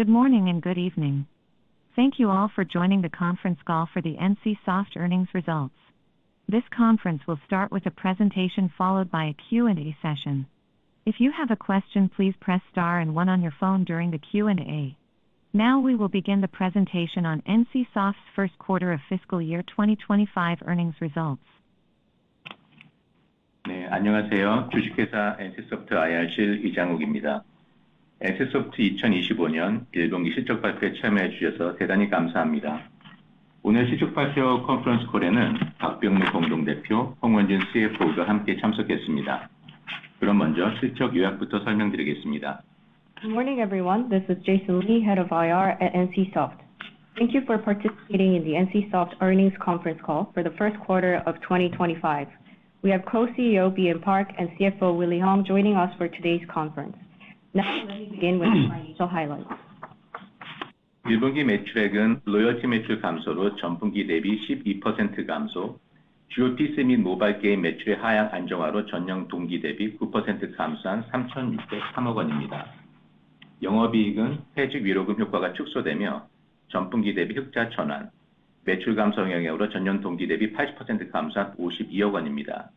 Good morning and good evening. Thank you all for joining the conference call for the NCSOFT earnings results. This conference will start with a presentation followed by a Q&A session. If you have a question, please press star and one on your phone during the Q&A. Now we will begin the presentation on NCSOFT's first quarter of fiscal year 2025 earnings results. 네, 안녕하세요. 주식회사 NCSOFT IR실 이장욱입니다. NCSOFT 2025년 1분기 실적 발표에 참여해 주셔서 대단히 감사합니다. 오늘 실적 발표 컨퍼런스 콜에는 박병무 공동대표, 홍원진 CFO가 함께 참석했습니다. 그럼 먼저 실적 요약부터 설명드리겠습니다. Good morning, everyone. This is Jason Lee, Head of IR at NCSOFT. Thank you for participating in the NCSOFT earnings conference call for the first quarter of 2025. We have Co-CEO BM Park and CFO Willy Hong joining us for today's conference. Now let me begin with the financial highlights. 1분기 매출액은 로열티 매출 감소로 전분기 대비 12% 감소, 주요 PC 및 모바일 게임 매출의 하향 안정화로 전년 동기 대비 9% 감소한 KRW 3,603억원입니다. 영업이익은 퇴직 위로금 효과가 축소되며 전분기 대비 흑자 전환, 매출 감소 영향으로 전년 동기 대비 80% 감소한 KRW 52억원입니다.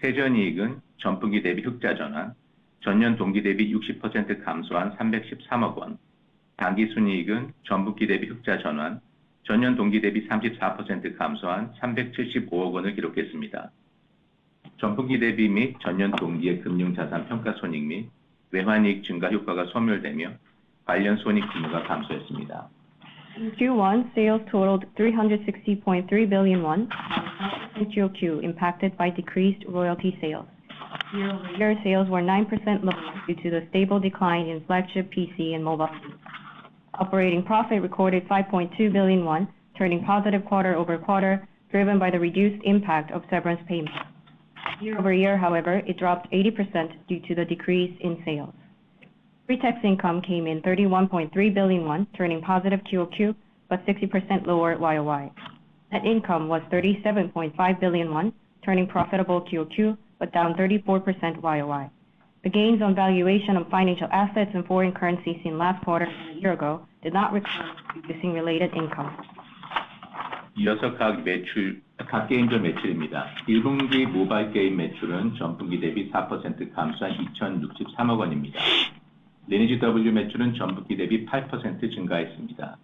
세전 이익은 전분기 대비 흑자 전환, 전년 동기 대비 60% 감소한 KRW 313억원, 당기순이익은 전분기 대비 흑자 전환, 전년 동기 대비 34% 감소한 KRW 375억원을 기록했습니다. 전분기 대비 및 전년 동기의 금융 자산 평가 손익 및 외환 이익 증가 효과가 소멸되며 관련 손익 규모가 감소했습니다. Q1 sales totaled 360.3 billion won, and the 10% quarter-over-quarter impacted by decreased royalty sales. Year-over-year sales were 9% lower due to the stable decline in flagship PC and mobile games. Operating profit recorded 5.2 billion won, turning positive quarter over quarter, driven by the reduced impact of severance payments. Year-over-year, however, it dropped 80% due to the decrease in sales. Pre-tax income came in 31.3 billion, turning positive quarter-over-quarter, but 60% lower year-over-year. Net income was 37.5 billion, turning profitable quarter-over-quarter, but down 34% year-over-year. The gains on valuation of financial assets in foreign currency seen last quarter and a year ago did not recur, producing related income. 이어서 각 매출, 각 개인별 매출입니다. 1분기 모바일 게임 매출은 전분기 대비 4% 감소한 2,063억원입니다. 리니지 W 매출은 전분기 대비 8% 증가했습니다.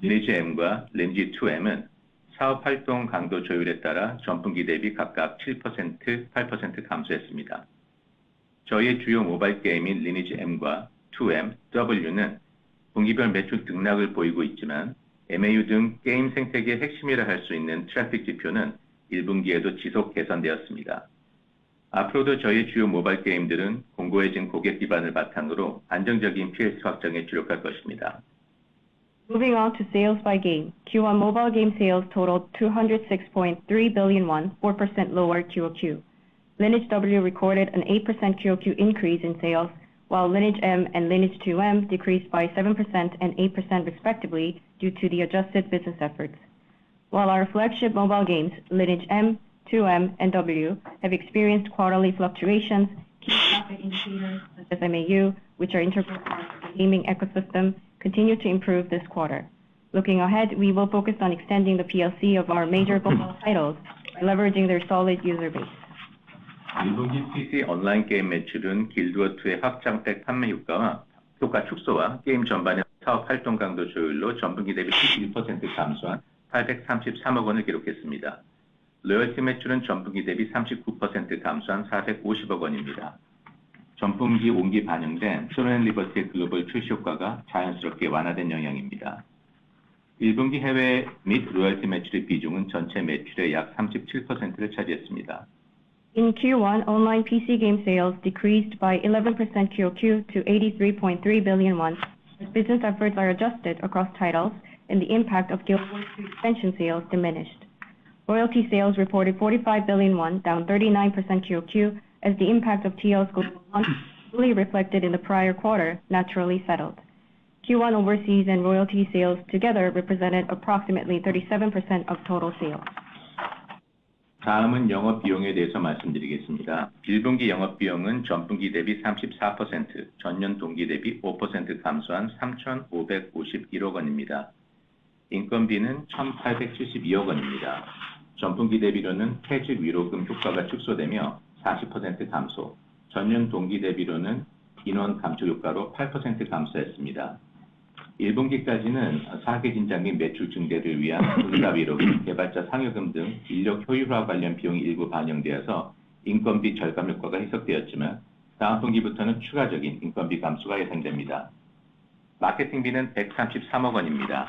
리니지 M과 리니지 2M은 사업 활동 강도 조율에 따라 전분기 대비 각각 7%, 8% 감소했습니다. 저희의 주요 모바일 게임인 리니지 M과 2M, W는 분기별 매출 등락을 보이고 있지만, MAU 등 게임 생태계의 핵심이라 할수 있는 트래픽 지표는 1분기에도 지속 개선되었습니다. 앞으로도 저희의 주요 모바일 게임들은 공고해진 고객 기반을 바탕으로 안정적인 PLC 확장에 주력할 것입니다. Moving on to sales by game, Q1 mobile game sales totaled 206.3 billion won, 4% lower quarter-over-quarter. Lineage W recorded an 8% quarter-over-quarter increase in sales, while Lineage M and Lineage 2M decreased by 7% and 8% respectively due to the adjusted business efforts. While our flagship mobile games, Lineage M, 2M, and W, have experienced quarterly fluctuations, key traffic indicators such as MAU, which are integral parts of the gaming ecosystem, continue to improve this quarter. Looking ahead, we will focus on extending the PLC of our major mobile titles by leveraging their solid user base. 1분기 PC 온라인 게임 매출은 길드 워 2의 확장팩 판매 효과와 효과 축소와 게임 전반의 사업 활동 강도 조율로 전분기 대비 71% 감소한 KRW 833억원을 기록했습니다. 로열티 매출은 전분기 대비 39% 감소한 KRW 450억원입니다. 전분기 운기 반영된 트루 앤 리버티의 글로벌 출시 효과가 자연스럽게 완화된 영향입니다. 1분기 해외 및 로열티 매출의 비중은 전체 매출의 약 37%를 차지했습니다. In Q1, online PC game sales decreased by 11% QoQ to 83.3 billion won, as business efforts are adjusted across titles and the impact of Guild Wars 2 expansion sales diminished. Royalty sales reported 45 billion won, down 39% QoQ, as the impact of TL's global launch fully reflected in the prior quarter, naturally settled. Q1 overseas and royalty sales together represented approximately 37% of total sales. 다음은 영업 비용에 대해서 말씀드리겠습니다. 1분기 영업 비용은 전분기 대비 34%, 전년 동기 대비 5% 감소한 KRW 3,551억원입니다. 인건비는 KRW 1,872억원입니다. 전분기 대비로는 퇴직 위로금 효과가 축소되며 40% 감소, 전년 동기 대비로는 인원 감축 효과로 8% 감소했습니다. 1분기까지는 사기 진작 및 매출 증대를 위한 분사 위로금, 개발자 상여금 등 인력 효율화 관련 비용이 일부 반영되어서 인건비 절감 효과가 희석되었지만, 다음 분기부터는 추가적인 인건비 감소가 예상됩니다. 마케팅비는 KRW 133억원입니다.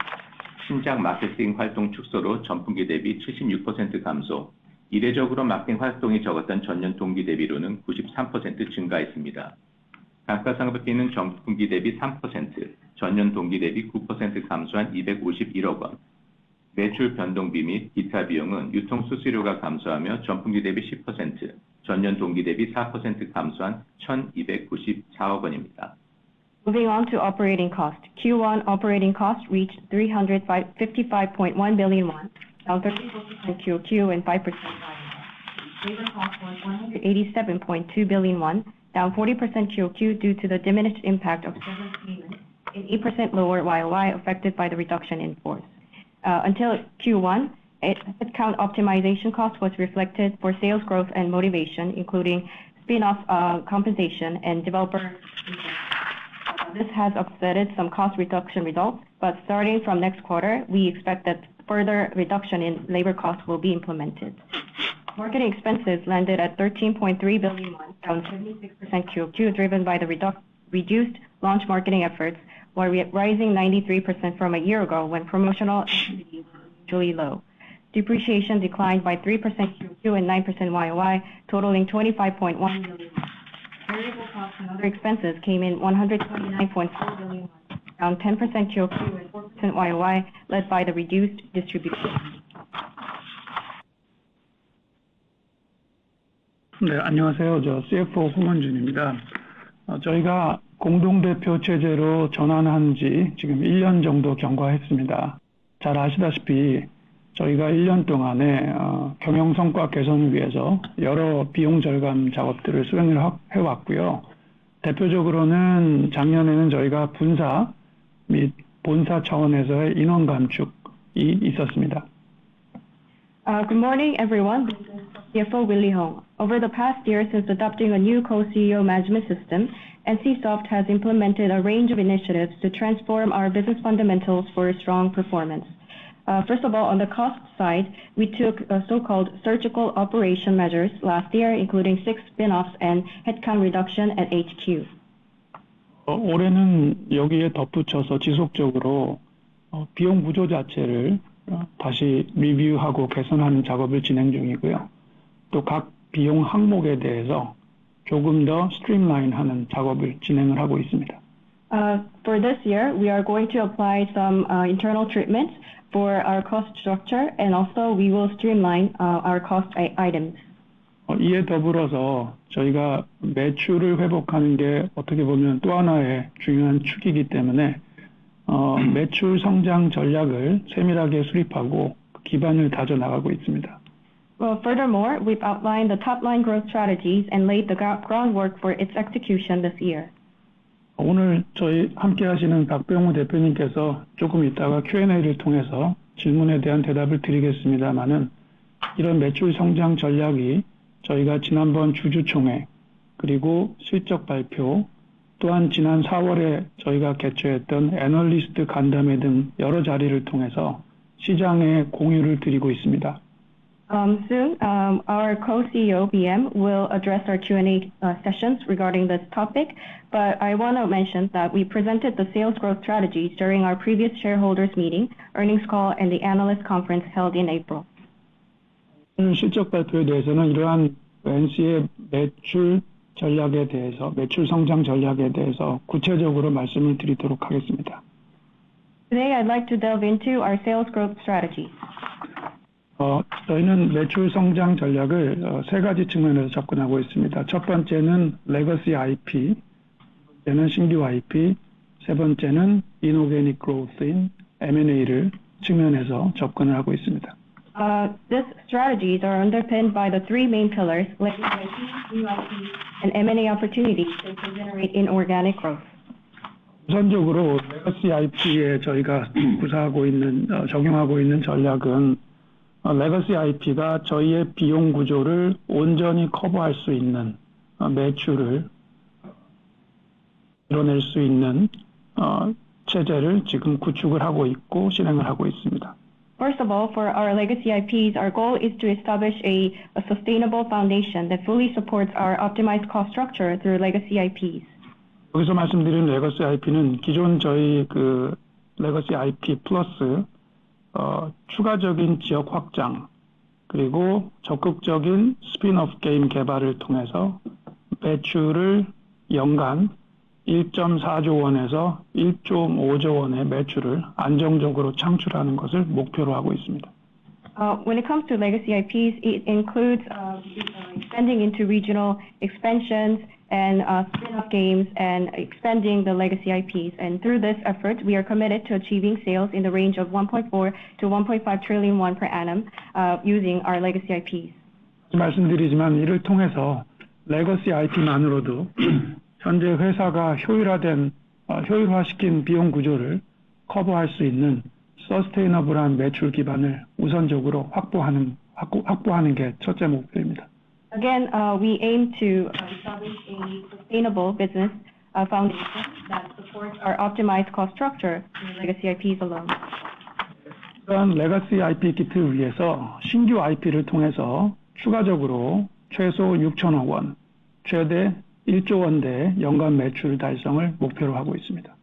신작 마케팅 활동 축소로 전분기 대비 76% 감소, 이례적으로 마케팅 활동이 적었던 전년 동기 대비로는 93% 증가했습니다. 감가상각비는 전분기 대비 3%, 전년 동기 대비 9% 감소한 KRW 251억원입니다. 매출 변동비 및 기타 비용은 유통 수수료가 감소하며 전분기 대비 10%, 전년 동기 대비 4% 감소한 KRW 1,294억원입니다. Moving on to operating cost. Q1 operating cost reached 355.1 billion won, down 34% QQ and 5% YOY. Labor cost was 187.2 billion won, down 40% QQ due to the diminished impact of severance payments and 8% lower YOY affected by the reduction in force. Until Q1, headcount optimization cost was reflected for sales growth and motivation, including spinoff compensation and developer incentives. This has offset some cost reduction results, but starting from next quarter, we expect that further reduction in labor costs will be implemented. Marketing expenses landed at 13.3 billion, down 76% QQ, driven by the reduced launch marketing efforts, while rising 93% from a year ago when promotional activities were usually low. Depreciation declined by 3% QQ and 9% YOY, totaling 25.1 billion. Variable costs and other expenses came in KRW 129.4 billion, down 10% QQ and 4% YOY, led by the reduced distribution. 네, 안녕하세요. 저 CFO 홍원진입니다. 저희가 공동대표 체제로 전환한 지 지금 1년 정도 경과했습니다. 잘 아시다시피 저희가 1년 동안에 경영 성과 개선을 위해서 여러 비용 절감 작업들을 수행해 왔고요. 대표적으로는 작년에는 저희가 분사 및 본사 차원에서의 인원 감축이 있었습니다. Good morning, everyone. This is CFO Willie Hong. Over the past year since adopting a new co-CEO management system, NCSOFT has implemented a range of initiatives to transform our business fundamentals for strong performance. First of all, on the cost side, we took so-called surgical operation measures last year, including six spinoffs and headcount reduction at HQ. 올해는 여기에 덧붙여서 지속적으로 비용 구조 자체를 다시 리뷰하고 개선하는 작업을 진행 중이고요. 또각 비용 항목에 대해서 조금 더 스트림라인하는 작업을 진행하고 있습니다. For this year, we are going to apply some internal treatments for our cost structure, and also we will streamline our cost items. 이에 더불어서 저희가 매출을 회복하는 게 어떻게 보면 또 하나의 중요한 축이기 때문에 매출 성장 전략을 세밀하게 수립하고 기반을 다져 나가고 있습니다. Furthermore, we've outlined the top-line growth strategies and laid the groundwork for its execution this year. 오늘 저희와 함께하시는 박병무 대표님께서 조금 있다가 Q&A를 통해서 질문에 대한 답변을 드리겠습니다만, 이런 매출 성장 전략이 저희가 지난번 주주총회, 그리고 실적 발표, 또한 지난 4월에 저희가 개최했던 애널리스트 간담회 등 여러 자리를 통해서 시장에 공유를 드리고 있습니다. Soon, our Co-CEO BM will address our Q&A sessions regarding this topic, but I want to mention that we presented the sales growth strategies during our previous shareholders' meeting, earnings call, and the analyst conference held in April. 실적 발표에 대해서는 이러한 NC의 매출 전략에 대해서, 매출 성장 전략에 대해서 구체적으로 말씀드리도록 하겠습니다. Today, I'd like to delve into our sales growth strategy. 저희는 매출 성장 전략을 세 가지 측면에서 접근하고 있습니다. 첫 번째는 레거시 IP, 두 번째는 신규 IP, 세 번째는 이노베이션 그로스인 M&A 측면에서 접근을 하고 있습니다. These strategies are underpinned by the three main pillars: legacy IP, new IP, and M&A opportunities to generate inorganic growth. 우선적으로 레거시 IP에 저희가 구사하고 있는, 적용하고 있는 전략은 레거시 IP가 저희의 비용 구조를 온전히 커버할 수 있는 매출을 이뤄낼 수 있는 체제를 지금 구축하고 있고 실행하고 있습니다. First of all, for our legacy IPs, our goal is to establish a sustainable foundation that fully supports our optimized cost structure through legacy IPs. 여기서 말씀드린 레거시 IP는 기존 저희 레거시 IP 플러스 추가적인 지역 확장, 그리고 적극적인 스핀오프 게임 개발을 통해서 매출을 연간 KRW 1.4조 원에서 KRW 1.5조 원의 매출을 안정적으로 창출하는 것을 목표로 하고 있습니다. When it comes to legacy IPs, it includes spending into regional expansions and spinoff games and expanding the legacy IPs. Through this effort, we are committed to achieving sales in the range of 1.4 to1.5 trillion per annum using our legacy IPs. 말씀드리지만 이를 통해서 레거시 IP만으로도 현재 회사가 효율화된, 효율화시킨 비용 구조를 커버할 수 있는 지속 가능한 매출 기반을 우선적으로 확보하는 게 첫째 목표입니다. Again, we aim to establish a sustainable business foundation that supports our optimized cost structure through legacy IPs alone. 또한 레거시 IP 키트를 위해서 신규 IP를 통해서 추가적으로 최소 KRW 6,000억, 최대 KRW 1조대의 연간 매출 달성을 목표로 하고 있습니다.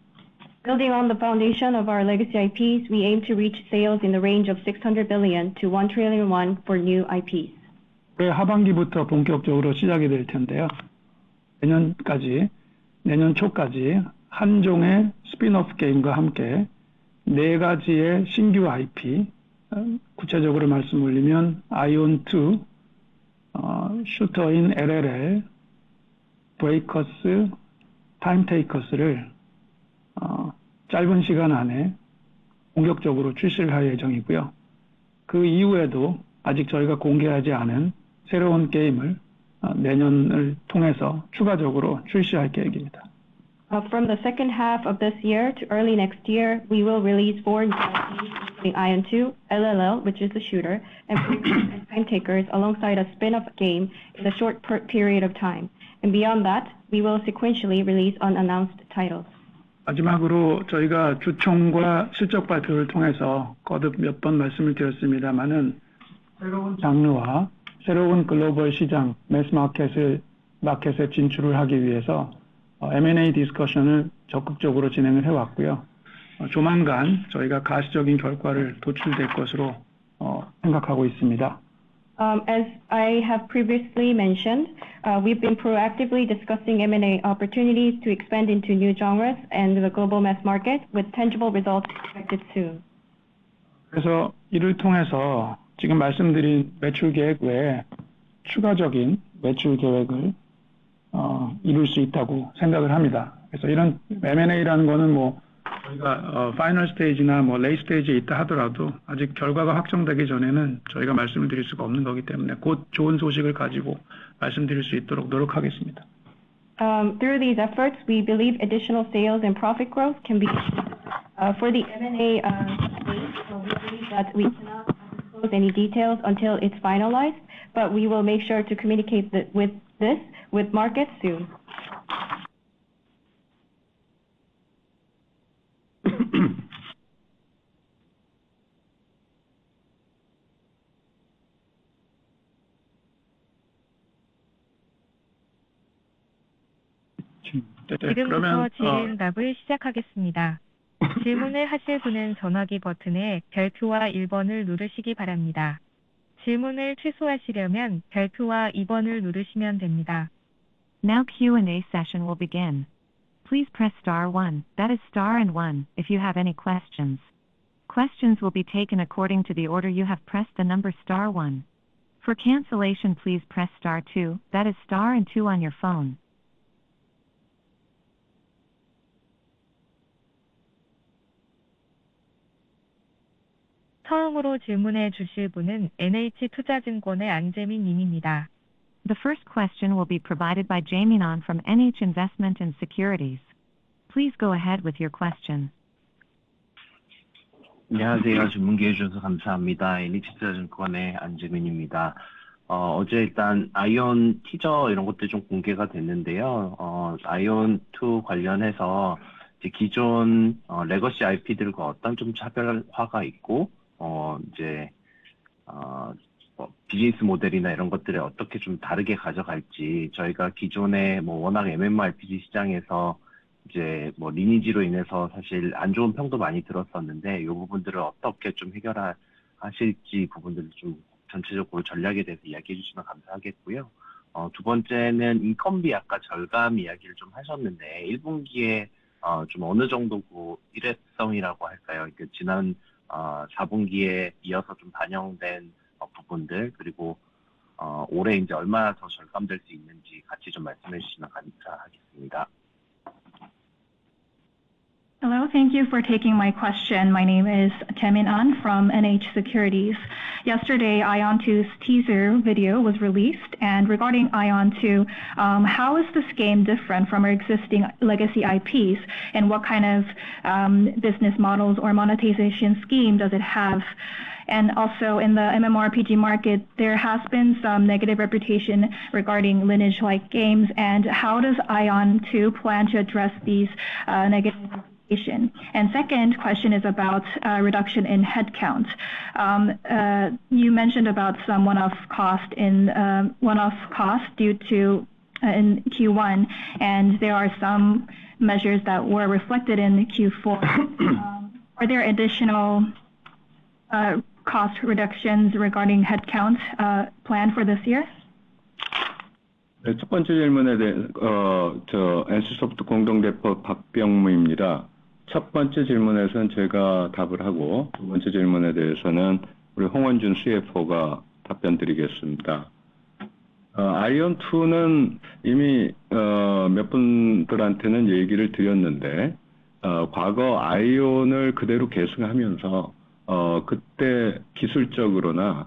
Building on the foundation of our legacy IPs, we aim to reach sales in the range of 600 billion to 1 trillion won for new IPs. 올해 하반기부터 본격적으로 시작이 될 텐데요. 내년까지, 내년 초까지 한 종의 스핀오프 게임과 함께 네 가지의 신규 IP, 구체적으로 말씀을 드리면 아이온 2, 슈터 인 LLL, 브레이커스, 타임테이커스를 짧은 시간 안에 공격적으로 출시를 할 예정이고요. 그 이후에도 아직 저희가 공개하지 않은 새로운 게임을 내년을 통해서 추가적으로 출시할 계획입니다. From the second half of this year to early next year, we will release four new IPs, including Aion 2, LLL, which is the shooter, and Time Takers, alongside a spinoff game in a short period of time. Beyond that, we will sequentially release unannounced titles. 마지막으로 저희가 주총과 실적 발표를 통해서 거듭 몇번 말씀을 드렸습니다만, 새로운 장르와 새로운 글로벌 시장, 매스 마켓에 진출을 하기 위해서 M&A 디스커션을 적극적으로 진행을 해 왔고요. 조만간 저희가 가시적인 결과를 도출할 것으로 생각하고 있습니다. As I have previously mentioned, we've been proactively discussing M&A opportunities to expand into new genres and the global mass market, with tangible results expected soon. 그래서 이를 통해서 지금 말씀드린 매출 계획 외에 추가적인 매출 계획을 이룰 수 있다고 생각을 합니다. 그래서 이런 M&A라는 것은 저희가 파이널 스테이지나 레이터 스테이지에 있다 하더라도 아직 결과가 확정되기 전에는 저희가 말씀을 드릴 수가 없는 것이기 때문에 곧 좋은 소식을 가지고 말씀드릴 수 있도록 노력하겠습니다. Through these efforts, we believe additional sales and profit growth can be achieved. For the M&A case, we believe that we cannot disclose any details until it's finalized, but we will make sure to communicate this with markets soon. 질문을 넣으신 다음 시작하겠습니다. 질문을 하실 분은 전화기 버튼에 별표와 1번을 누르시기 바랍니다. 질문을 취소하시려면 별표와 2번을 누르시면 됩니다. Now Q&A session will begin. Please press star one, that is star and one, if you have any questions. Questions will be taken according to the order you have pressed the number star one. For cancellation, please press star two, that is star and two on your phone. 처음으로 질문해 주실 분은 NH투자증권의 안재민 님입니다. The first question will be provided by Jaemin Ahn from NH Investment and Securities. Please go ahead with your question. 안녕하세요. 질문 기회 주셔서 감사합니다. NH투자증권의 안재민입니다. 어제 일단 아이온 티저 이런 것들이 공개가 됐는데요. 아이온 2 관련해서 기존 레거시 IP들과 어떤 차별화가 있고, 이제 비즈니스 모델이나 이런 것들을 어떻게 다르게 가져갈지 저희가 기존에 워낙 MMORPG 시장에서 이제 리니지로 인해서 사실 안 좋은 평도 많이 들었었는데, 이 부분들을 어떻게 해결하실지 부분들을 전체적으로 전략에 대해서 이야기해 주시면 감사하겠고요. 두 번째는 인건비 아까 절감 이야기를 하셨는데, 1분기에 어느 정도 일회성이라고 할까요? 지난 4분기에 이어서 반영된 부분들, 그리고 올해 이제 얼마나 더 절감될 수 있는지 같이 말씀해 주시면 감사하겠습니다. Hello, thank you for taking my question. My name is Jaemin Ahn from NH Securities. Yesterday, Aion 2's teaser video was released, and regarding Aion 2, how is this game different from our existing legacy IPs, and what kind of business models or monetization scheme does it have? Also, in the MMORPG market, there has been some negative reputation regarding lineage-like games, and how does Aion 2 plan to address these negative reputations? My second question is about reduction in headcount. You mentioned some one-off cost in Q1, and there are some measures that were reflected in Q4. Are there additional cost reductions regarding headcount planned for this year? 첫 번째 질문에 대해서 NCSOFT 공동대표 박병무입니다. 첫 번째 질문에서는 제가 답을 하고, 두 번째 질문에 대해서는 우리 홍원준 CFO가 답변드리겠습니다. 아이온 2는 이미 몇 분들한테는 얘기를 드렸는데, 과거 아이온을 그대로 계승하면서 그때 기술적으로나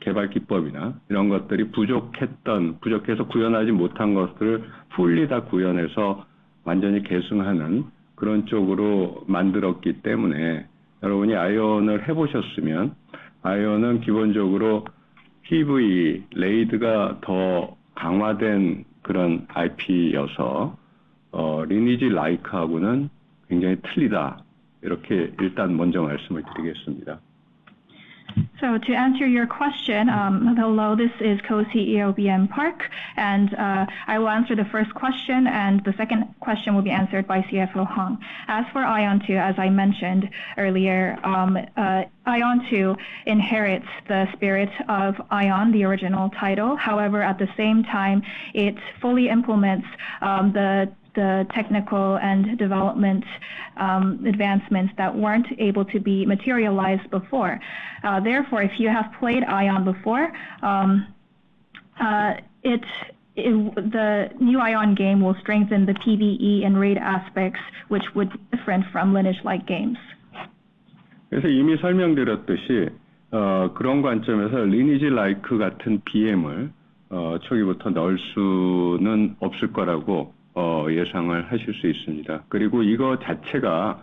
개발 기법이나 이런 것들이 부족했던, 부족해서 구현하지 못한 것들을 풀리다 구현해서 완전히 계승하는 그런 쪽으로 만들었기 때문에 여러분이 아이온을 해보셨으면 아이온은 기본적으로 PVE, 레이드가 더 강화된 그런 IP여서 리니지 라이크하고는 굉장히 틀리다 이렇게 일단 먼저 말씀을 드리겠습니다. To answer your question, hello, this is Co-CEO BM Park, and I will answer the first question, and the second question will be answered by CFO Hong. As for Aion 2, as I mentioned earlier, Aion 2 inherits the spirit of Ion, the original title. However, at the same time, it fully implements the technical and development advancements that weren't able to be materialized before. Therefore, if you have played Ion before, the new Ion game will strengthen the PVE and raid aspects, which would be different from lineage-like games. 그래서 이미 설명드렸듯이 그런 관점에서 리니지 라이크 같은 BM을 초기부터 넣을 수는 없을 거라고 예상을 하실 수 있습니다. 그리고 이거 자체가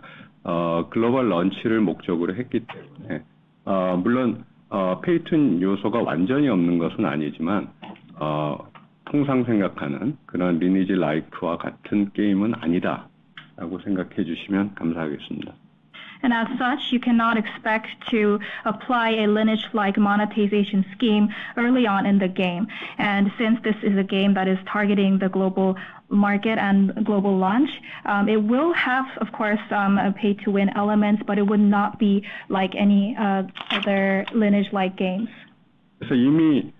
글로벌 런치를 목적으로 했기 때문에 물론 페이투윈 요소가 완전히 없는 것은 아니지만 통상 생각하는 그런 리니지 라이크와 같은 게임은 아니다라고 생각해 주시면 감사하겠습니다. As such, you cannot expect to apply a lineage-like monetization scheme early on in the game. Since this is a game that is targeting the global market and global launch, it will have, of course, some pay-to-win elements, but it would not be like any other lineage-like games. 그래서 이미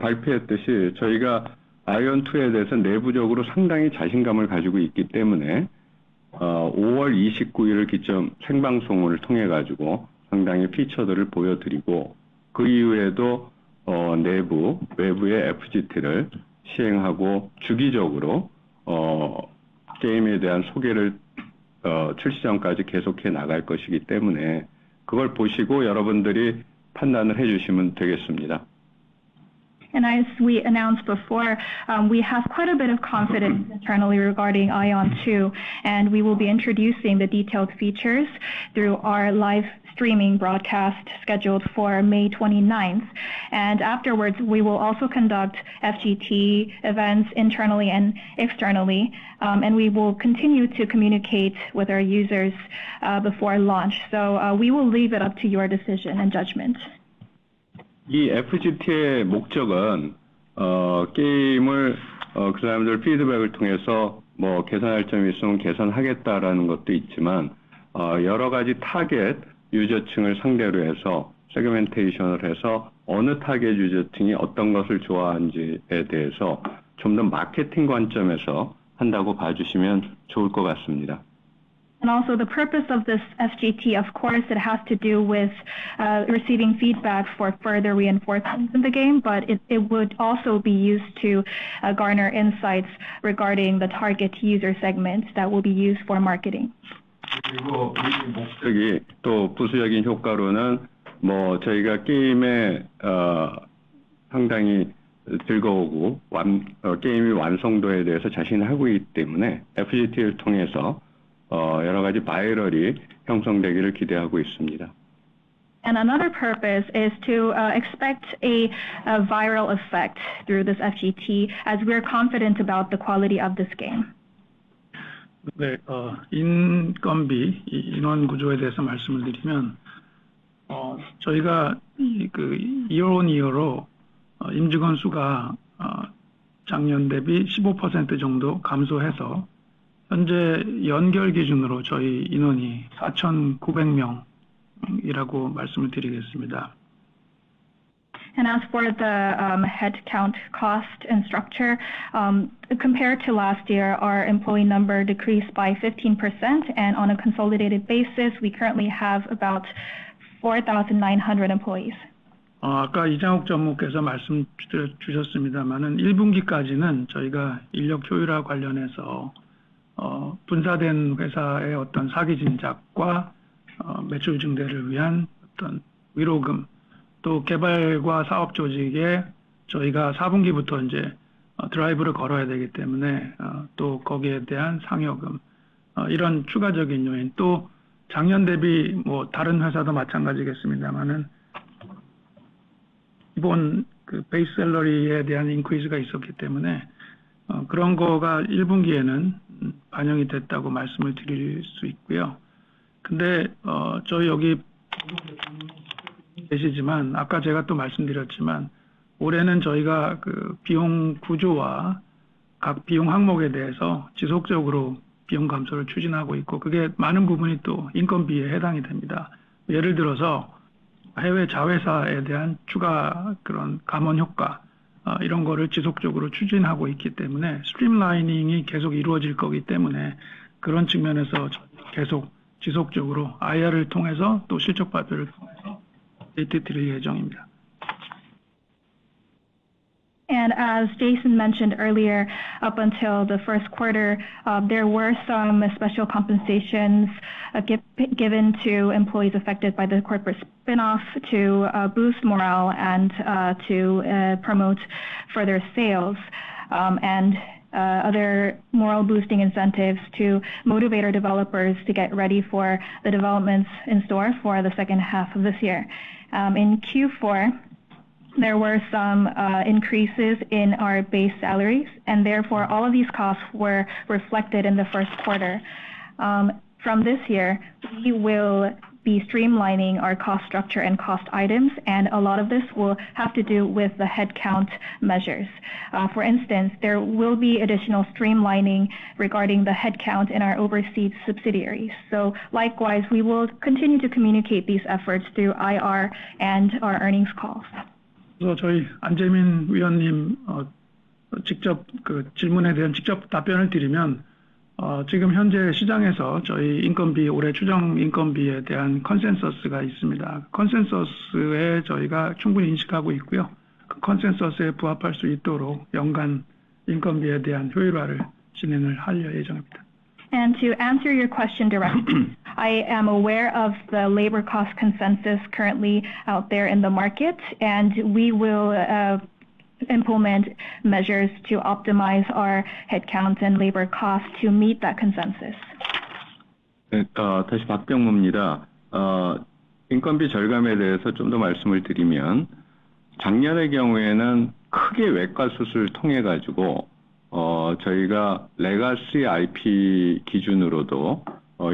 발표했듯이 저희가 아이온 2에 대해서 내부적으로 상당히 자신감을 가지고 있기 때문에 5월 29일을 기점으로 생방송을 통해서 상당히 많은 피처들을 보여드리고, 그 이후에도 내부, 외부의 FGT를 시행하고 주기적으로 게임에 대한 소개를 출시 전까지 계속해 나갈 것이기 때문에 그걸 보시고 여러분들이 판단을 해 주시면 되겠습니다. As we announced before, we have quite a bit of confidence internally regarding Aion 2, and we will be introducing the detailed features through our live streaming broadcast scheduled for May 29th. Afterwards, we will also conduct FGT events internally and externally, and we will continue to communicate with our users before launch. We will leave it up to your decision and judgment. 이 FGT의 목적은 게임을 그 사람들 피드백을 통해서 개선할 점이 있으면 개선하겠다라는 것도 있지만, 여러 가지 타겟 유저층을 상대로 해서 세그멘테이션을 해서 어느 타겟 유저층이 어떤 것을 좋아하는지에 대해서 좀더 마케팅 관점에서 한다고 봐주시면 좋을 것 같습니다. The purpose of this FGT, of course, has to do with receiving feedback for further reinforcements in the game, but it would also be used to garner insights regarding the target user segments that will be used for marketing. 그리고 이 목적이 또 부수적인 효과로는 저희가 게임에 상당히 즐거워하고 게임의 완성도에 대해서 자신하고 있기 때문에 FGT를 통해서 여러 가지 바이럴이 형성되기를 기대하고 있습니다. Another purpose is to expect a viral effect through this FGT as we are confident about the quality of this game. 네, 인건비, 인원 구조에 대해서 말씀을 드리면 저희가 올해 임직원 수가 작년 대비 15% 정도 감소해서 현재 연결 기준으로 저희 인원이 4,900명이라고 말씀을 드리겠습니다. As for the headcount cost and structure, compared to last year, our employee number decreased by 15%, and on a consolidated basis, we currently have about 4,900 employees. 아까 이장욱 전무께서 말씀 주셨습니다만 1분기까지는 저희가 인력 효율화 관련해서 분사된 회사의 사기 진작과 매출 증대를 위한 위로금, 또 개발과 사업 조직에 저희가 4분기부터 이제 드라이브를 걸어야 되기 때문에 또 거기에 대한 상여금, 이런 추가적인 요인, 또 작년 대비 다른 회사도 마찬가지겠습니다만 기본 베이스 샐러리에 대한 인크리스가 있었기 때문에 그런 것이 1분기에는 반영이 됐다고 말씀을 드릴 수 있고요. 근데 저희 여기 공동대표님 계시지만 아까 제가 또 말씀드렸지만 올해는 저희가 비용 구조와 각 비용 항목에 대해서 지속적으로 비용 감소를 추진하고 있고 그것이 많은 부분이 또 인건비에 해당이 됩니다. 예를 들어서 해외 자회사에 대한 추가 감원 효과 이런 것을 지속적으로 추진하고 있기 때문에 스트림라이닝이 계속 이루어질 것이기 때문에 그런 측면에서 저희는 계속 지속적으로 IR을 통해서 또 실적 발표를 통해서 업데이트 드릴 예정입니다. As Jason mentioned earlier, up until the first quarter, there were some special compensations given to employees affected by the corporate spinoff to boost morale and to promote further sales and other morale boosting incentives to motivate our developers to get ready for the developments in store for the second half of this year. In Q4, there were some increases in our base salaries, and therefore all of these costs were reflected in the first quarter. From this year, we will be streamlining our cost structure and cost items, and a lot of this will have to do with the headcount measures. For instance, there will be additional streamlining regarding the headcount in our overseas subsidiaries. Likewise, we will continue to communicate these efforts through IR and our earnings calls. 저희 안재민 위원님 직접 질문에 대한 직접 답변을 드리면 지금 현재 시장에서 저희 인건비, 올해 추정 인건비에 대한 컨센서스가 있습니다. 컨센서스에 저희가 충분히 인식하고 있고요. 그 컨센서스에 부합할 수 있도록 연간 인건비에 대한 효율화를 진행하려 예정입니다. To answer your question directly, I am aware of the labor cost consensus currently out there in the market, and we will implement measures to optimize our headcount and labor cost to meet that consensus. 다시 박병무입니다. 인건비 절감에 대해서 좀더 말씀을 드리면, 작년의 경우에는 크게 외과 수술을 통해서 저희가 레가시 IP 기준으로도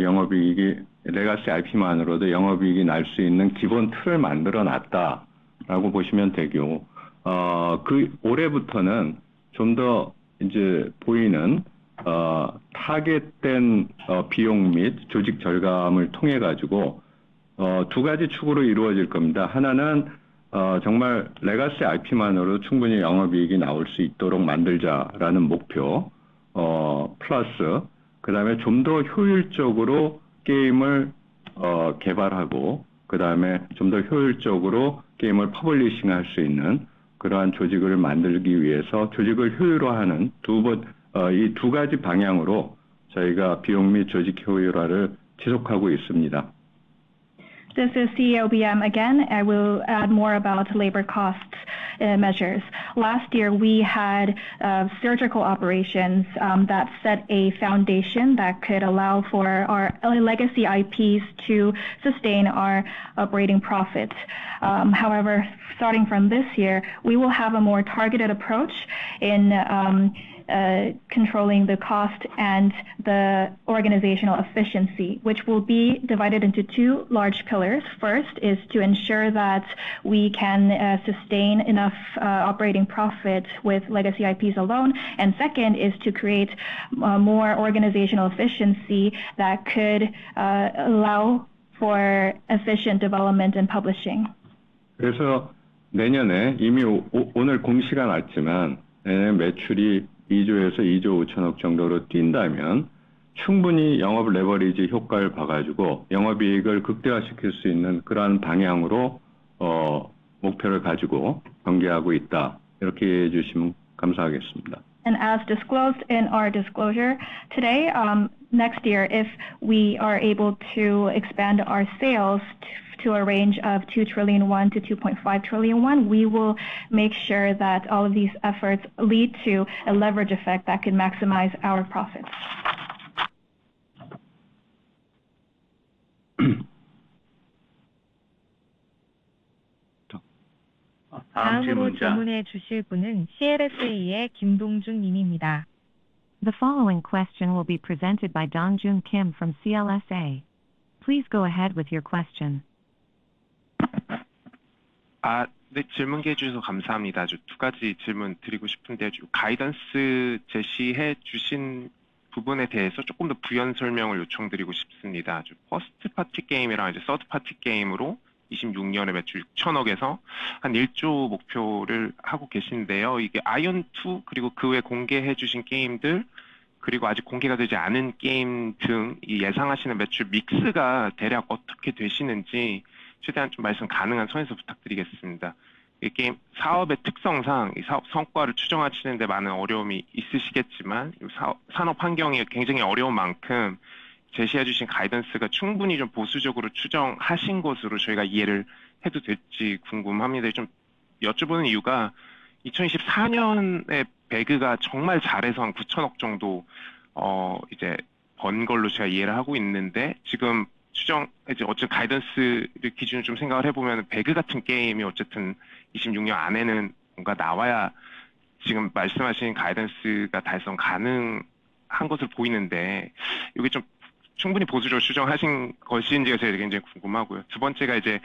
영업 이익이 레가시 IP만으로도 영업 이익이 날수 있는 기본 틀을 만들어 놨다라고 보시면 되고, 올해부터는 좀더 보이는 타겟된 비용 및 조직 절감을 통해서 두 가지 축으로 이루어질 겁니다. 하나는 정말 레가시 IP만으로도 충분히 영업 이익이 나올 수 있도록 만들자라는 목표, 플러스 그다음에 좀더 효율적으로 게임을 개발하고 그다음에 좀더 효율적으로 게임을 퍼블리싱할 수 있는 그러한 조직을 만들기 위해서 조직을 효율화하는 두 가지 방향으로 저희가 비용 및 조직 효율화를 지속하고 있습니다. This is CEO BM again. I will add more about labor cost measures. Last year, we had surgical operations that set a foundation that could allow for our legacy IPs to sustain our operating profits. However, starting from this year, we will have a more targeted approach in controlling the cost and the organizational efficiency, which will be divided into two large pillars. First is to ensure that we can sustain enough operating profit with legacy IPs alone, and second is to create more organizational efficiency that could allow for efficient development and publishing. 그래서 내년에 이미 오늘 공시가 났지만, 내년에 매출이 2조에서 2조 5천억 정도로 뛴다면 충분히 영업 레버리지 효과를 봐서 영업 이익을 극대화시킬 수 있는 그러한 방향으로 목표를 가지고 경영하고 있다. 이렇게 이해해 주시면 감사하겠습니다. As disclosed in our disclosure today, next year if we are able to expand our sales to a range of 2 trillion to 2.5 trillion, we will make sure that all of these efforts lead to a leverage effect that can maximize our profits. 다음 질문자. 다음 질문해 주실 분은 CLSA의 김동준 님입니다. The following question will be presented by Dongjun Kim from CLSA. Please go ahead with your question. 네, 질문 계주셔서 감사합니다. 두 가지 질문 드리고 싶은데요. 가이던스 제시해 주신 부분에 대해서 조금 더 부연 설명을 요청드리고 싶습니다. 퍼스트 파티 게임이랑 써드 파티 게임으로 2026년에 매출 KRW 600억에서 한 KRW 1조 목표를 하고 계신데요. 이게 아이온 2 그리고 그외 공개해 주신 게임들 그리고 아직 공개가 되지 않은 게임 등 예상하시는 매출 믹스가 대략 어떻게 되시는지 최대한 좀 말씀 가능한 선에서 부탁드리겠습니다. 사업의 특성상 사업 성과를 추정하시는데 많은 어려움이 있으시겠지만 산업 환경이 굉장히 어려운 만큼 제시해 주신 가이던스가 충분히 좀 보수적으로 추정하신 것으로 저희가 이해를 해도 될지 궁금합니다. 좀 여쭤보는 이유가 2024년에 배그가 정말 잘해서 한 KRW 900억 정도 이제 번 걸로 제가 이해를 하고 있는데 지금 추정 어쨌든 가이던스 기준을 좀 생각을 해보면 배그 같은 게임이 어쨌든 2026년 안에는 뭔가 나와야 지금 말씀하신 가이던스가 달성 가능한 것으로 보이는데 이게 좀 충분히 보수적으로 추정하신 것인지가 제가 굉장히 궁금하고요. 두 번째가 이제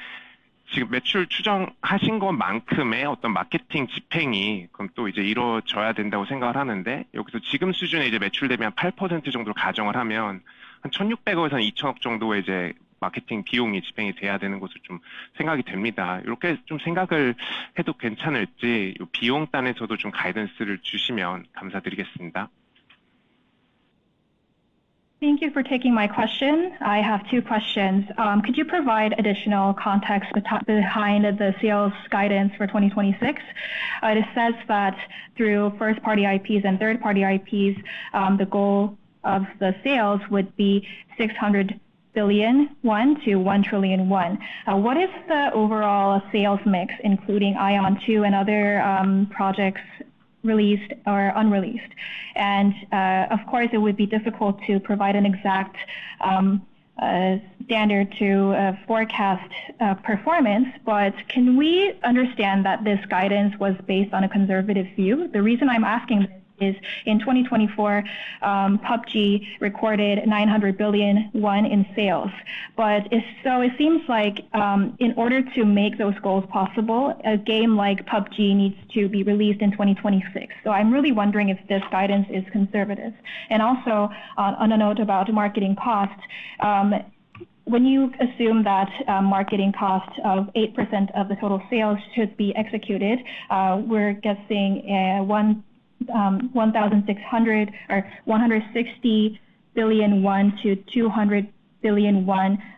지금 매출 추정하신 것만큼의 어떤 마케팅 집행이 그럼 또 이제 이루어져야 된다고 생각을 하는데 여기서 지금 수준에 이제 매출 대비 한 8% 정도를 가정을 하면 한 KRW 160억에서 한 KRW 200억 정도의 이제 마케팅 비용이 집행이 돼야 되는 것으로 좀 생각이 됩니다. 이렇게 좀 생각을 해도 괜찮을지 이 비용 단에서도 좀 가이던스를 주시면 감사드리겠습니다. Thank you for taking my question. I have two questions. Could you provide additional context behind the sales guidance for 2026? It says that through first-party IPs and third-party IPs, the goal of the sales would be 600 billion won to 1 trillion won. What is the overall sales mix, including Aion 2 and other projects released or unreleased? Of course, it would be difficult to provide an exact standard to forecast performance, but can we understand that this guidance was based on a conservative view? The reason I'm asking is in 2024, PUBG recorded 900 billion won in sales, so it seems like in order to make those goals possible, a game like PUBG needs to be released in 2026. I'm really wondering if this guidance is conservative. Also on a note about marketing cost, when you assume that marketing cost of 8% of the total sales should be executed, we're guessing 160 billion to 200 billion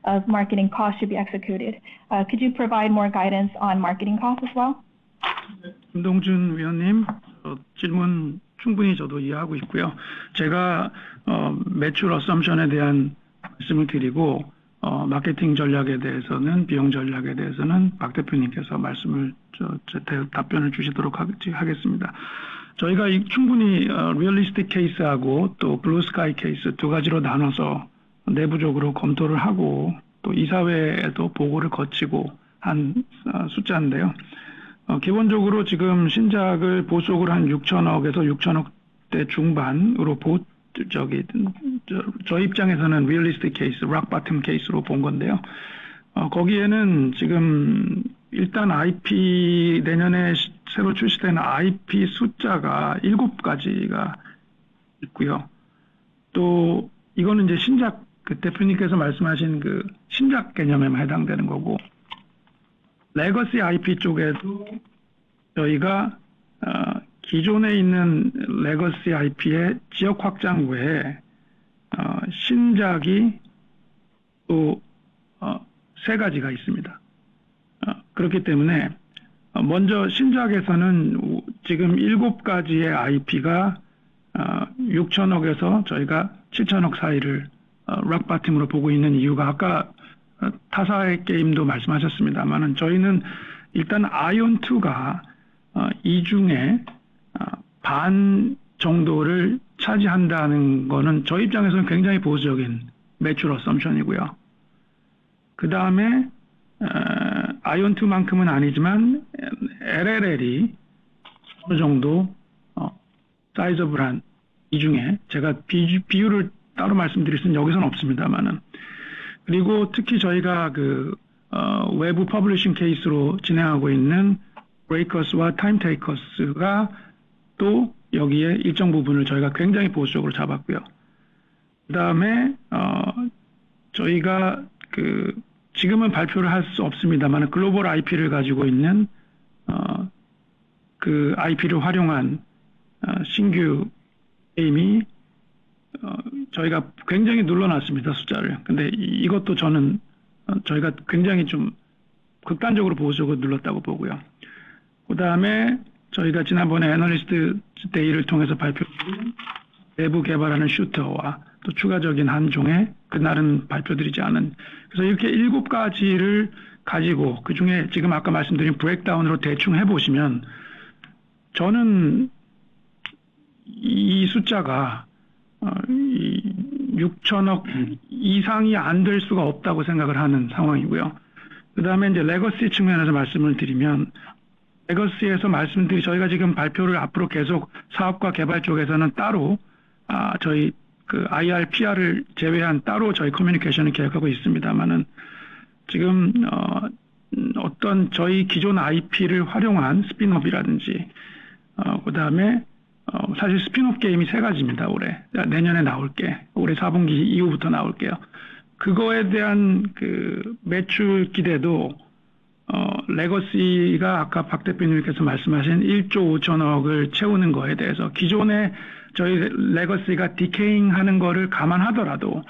of marketing cost should be executed. Could you provide more guidance on marketing cost as well? 김동준 위원님, 질문 충분히 저도 이해하고 있고요. 제가 매출 어썸션에 대한 말씀을 드리고 마케팅 전략에 대해서는 비용 전략에 대해서는 박 대표님께서 답변을 주시도록 하겠습니다. 저희가 충분히 리얼리스틱 케이스하고 또 블루 스카이 케이스 두 가지로 나눠서 내부적으로 검토를 하고 또 이사회에도 보고를 거친 숫자인데요. 기본적으로 지금 신작을 보수적으로 한 KRW 6,000억에서 KRW 6,000억 대 중반으로 보수적인 저희 입장에서는 리얼리스틱 케이스, 락 바텀 케이스로 본 건데요. 거기에는 지금 일단 IP 내년에 새로 출시되는 IP 숫자가 7가지가 있고요. 또 이거는 이제 신작 대표님께서 말씀하신 그 신작 개념에만 해당되는 거고 레거시 IP 쪽에도 저희가 기존에 있는 레거시 IP의 지역 확장 외에 신작이 또세 가지가 있습니다. 그렇기 때문에 먼저 신작에서는 지금 7가지의 IP가 KRW 6,000억에서 저희가 KRW 7,000억 사이를 락 바텀으로 보고 있는 이유가 아까 타사의 게임도 말씀하셨습니다마는 저희는 일단 Aion 2가 이 중에 반 정도를 차지한다는 거는 저희 입장에서는 굉장히 보수적인 매출 어썸션이고요. 그다음에 Aion 2만큼은 아니지만 LLL이 어느 정도 사이즈업을 한이 중에 제가 비율을 따로 말씀드릴 수는 여기서는 없습니다마는 그리고 특히 저희가 그 외부 퍼블리싱 케이스로 진행하고 있는 브레이커스와 타임 테이커스가 또 여기에 일정 부분을 저희가 굉장히 보수적으로 잡았고요. 그다음에 저희가 지금은 발표를 할수 없습니다마는 글로벌 IP를 가지고 있는 그 IP를 활용한 신규 게임이 저희가 굉장히 눌러놨습니다, 숫자를. 근데 이것도 저는 저희가 굉장히 좀 극단적으로 보수적으로 눌렀다고 보고요. 그다음에 저희가 지난번에 애널리스트 데이를 통해서 발표해 드린 내부 개발하는 슈터와 또 추가적인 한 종의 그날은 발표드리지 않은 그래서 이렇게 7가지를 가지고 그중에 지금 아까 말씀드린 브레이크다운으로 대충 해보시면 저는 이 숫자가 KRW 6,000억 이상이 안될 수가 없다고 생각을 하는 상황이고요. 그다음에 이제 레거시 측면에서 말씀을 드리면 레거시에서 말씀드린 저희가 지금 발표를 앞으로 계속 사업과 개발 쪽에서는 따로 저희 IR, PR을 제외한 따로 저희 커뮤니케이션을 계획하고 있습니다마는 지금 어떤 저희 기존 IP를 활용한 스핀오프라든지 그다음에 사실 스핀오프 게임이 세 가지입니다, 올해. 내년에 나올 게 올해 4분기 이후부터 나올 게요. 그거에 대한 그 매출 기대도 레거시가 아까 박 대표님께서 말씀하신 KRW 1조 5,000억을 채우는 거에 대해서 기존의 저희 레거시가 디케이하는 거를 감안하더라도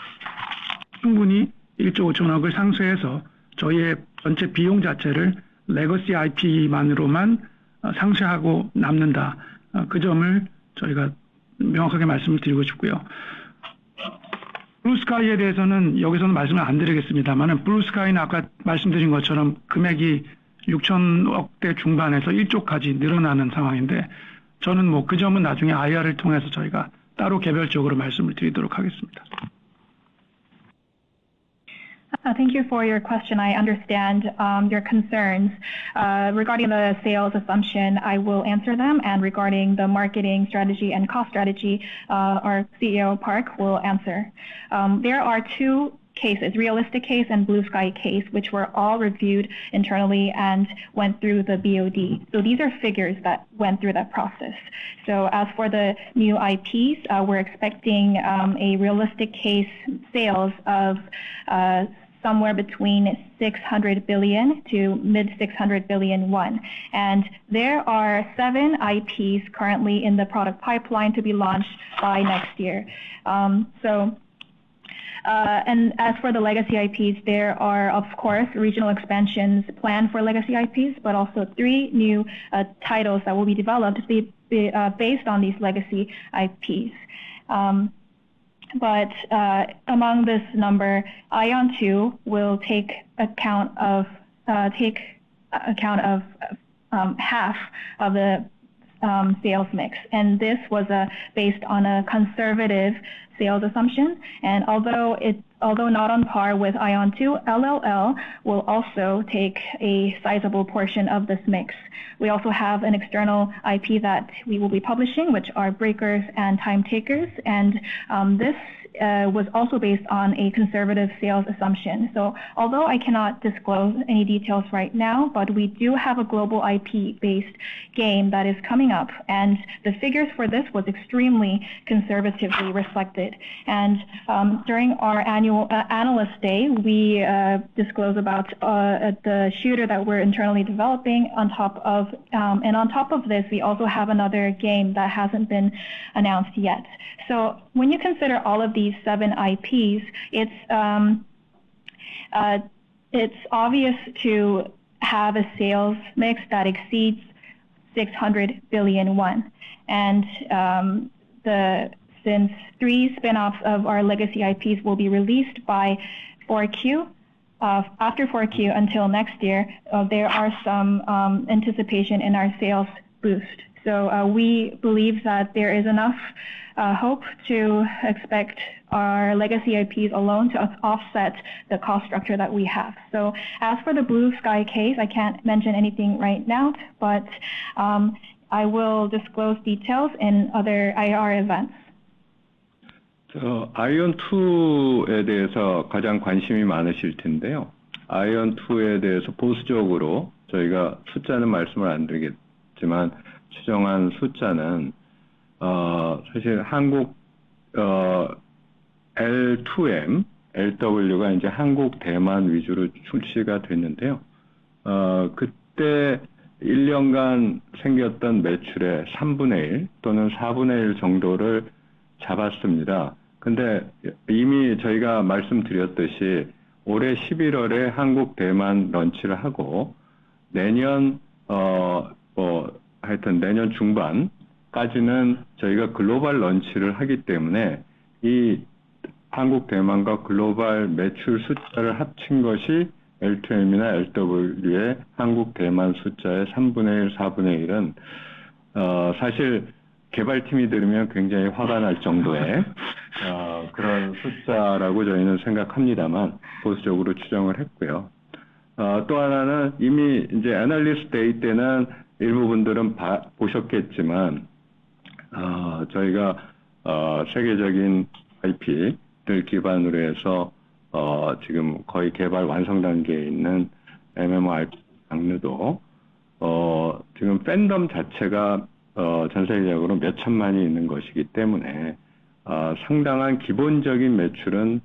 충분히 KRW 1조 5,000억을 상쇄해서 저희의 전체 비용 자체를 레거시 IP만으로만 상쇄하고 남는다 그 점을 저희가 명확하게 말씀을 드리고 싶고요. 블루 스카이에 대해서는 여기서는 말씀을 안 드리겠습니다마는 블루 스카이는 아까 말씀드린 것처럼 금액이 KRW 6,000억 대 중반에서 KRW 1조까지 늘어나는 상황인데 저는 그 점은 나중에 IR을 통해서 저희가 따로 개별적으로 말씀을 드리도록 하겠습니다. Thank you for your question. I understand your concerns. Regarding the sales assumption, I will answer them, and regarding the marketing strategy and cost strategy, our CEO Park will answer. There are two cases: realistic case and blue sky case, which were all reviewed internally and went through the BOD. These are figures that went through that process. As for the new IPs, we're expecting a realistic case sales of somewhere between 600 billion to mid 600 billion. There are seven IPs currently in the product pipeline to be launched by next year. As for the legacy IPs, there are of course regional expansions planned for legacy IPs, but also three new titles that will be developed based on these legacy IPs. Among this number, Aion 2 will take account of half of the sales mix, and this was based on a conservative sales assumption. Although not on par with Aion 2, LLL will also take a sizable portion of this mix. We also have an external IP that we will be publishing, which are Breakers and Time Takers, and this was also based on a conservative sales assumption. Although I cannot disclose any details right now, we do have a global IP-based game that is coming up, and the figures for this were extremely conservatively reflected. During our annual analyst day, we disclosed the shooter that we're internally developing, and on top of this, we also have another game that hasn't been announced yet. When you consider all of these seven IPs, it's obvious to have a sales mix that exceeds 600 billion won. Since three spinoffs of our legacy IPs will be released by Q4, after Q4 until next year, there is some anticipation in our sales boost. We believe that there is enough hope to expect our legacy IPs alone to offset the cost structure that we have. As for the blue sky case, I can't mention anything right now, but I will disclose details in other IR events. Aion 2에 대해서 가장 관심이 많으실 텐데요. Aion 2에 대해서 보수적으로 저희가 숫자는 말씀을 안 드리겠지만, 추정한 숫자는 사실 한국 L2M, LW가 이제 한국, 대만 위주로 출시가 됐는데요. 그때 1년간 생겼던 매출의 1/3 또는 1/4 정도를 잡았습니다. 근데 이미 저희가 말씀드렸듯이 올해 11월에 한국, 대만 런치를 하고 내년 중반까지는 저희가 글로벌 런치를 하기 때문에 이 한국, 대만과 글로벌 매출 숫자를 합친 것이 L2M이나 LW의 한국, 대만 숫자의 1/3, 1/4은 사실 개발팀이 들으면 굉장히 화가 날 정도의 그런 숫자라고 저희는 생각합니다만, 보수적으로 추정을 했고요. 또 하나는 이미 이제 애널리스트 데이 때는 일부분들은 보셨겠지만, 저희가 세계적인 IP를 기반으로 해서 지금 거의 개발 완성 단계에 있는 MMORPG 장르도 지금 팬덤 자체가 전 세계적으로 몇 천만이 있는 것이기 때문에 상당한 기본적인 매출은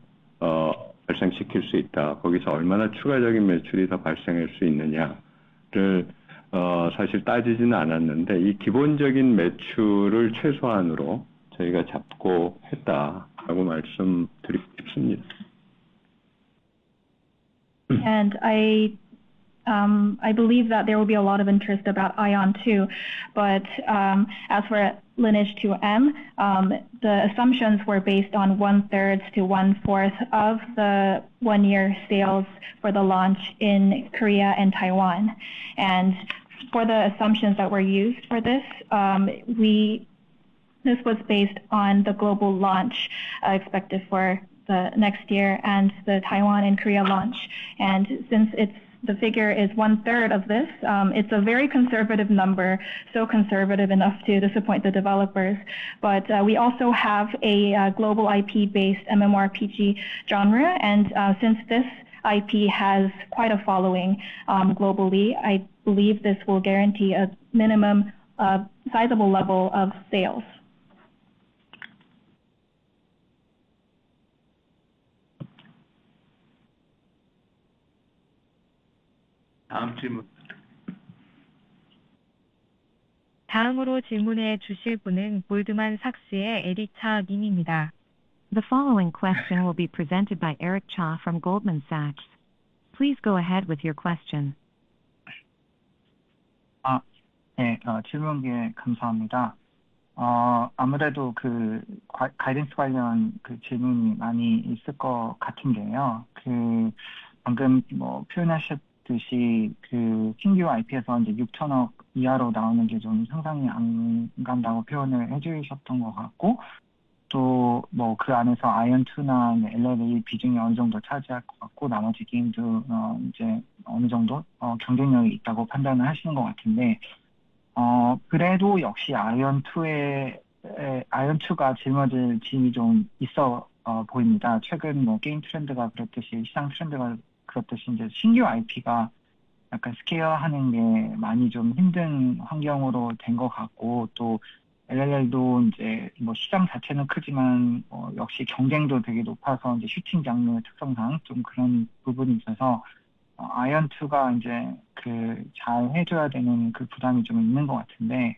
발생시킬 수 있다. 거기서 얼마나 추가적인 매출이 더 발생할 수 있느냐를 사실 따지지는 않았는데, 이 기본적인 매출을 최소한으로 저희가 잡고 했다라고 말씀드리고 싶습니다. I believe that there will be a lot of interest about Aion 2, but as for Lineage 2M, the assumptions were based on one third to one fourth of the one-year sales for the launch in Korea and Taiwan. For the assumptions that were used for this, this was based on the global launch expected for the next year and the Taiwan and Korea launch. Since the figure is one third of this, it's a very conservative number, so conservative enough to disappoint the developers. But we also have a global IP-based MMORPG genre, and since this IP has quite a following globally, I believe this will guarantee a minimum sizable level of sales. 다음으로 질문해 주실 분은 Goldman Sachs의 Eric Cha 님입니다. The following question will be presented by Eric Cha from Goldman Sachs. Please go ahead with your question. 네, 질문 감사합니다. 아무래도 그 가이던스 관련 질문이 많이 있을 것 같은데요. 방금 표현하셨듯이 그 신규 IP에서 이제 KRW 6,000억 이하로 나오는 게좀 상상이 안 간다고 표현을 해주셨던 것 같고 또그 안에서 Aion 2나 LLL 비중이 어느 정도 차지할 것 같고 나머지 게임도 이제 어느 정도 경쟁력이 있다고 판단을 하시는 것 같은데 그래도 역시 Aion 2가 짊어질 짐이 좀 있어 보입니다. 최근 게임 트렌드가 그랬듯이 시장 트렌드가 그랬듯이 이제 신규 IP가 약간 스케어하는 게 많이 좀 힘든 환경으로 된것 같고 또 LLL도 이제 시장 자체는 크지만 역시 경쟁도 되게 높아서 이제 슈팅 장르 특성상 좀 그런 부분이 있어서 Aion 2가 이제 그잘 해줘야 되는 그 부담이 좀 있는 것 같은데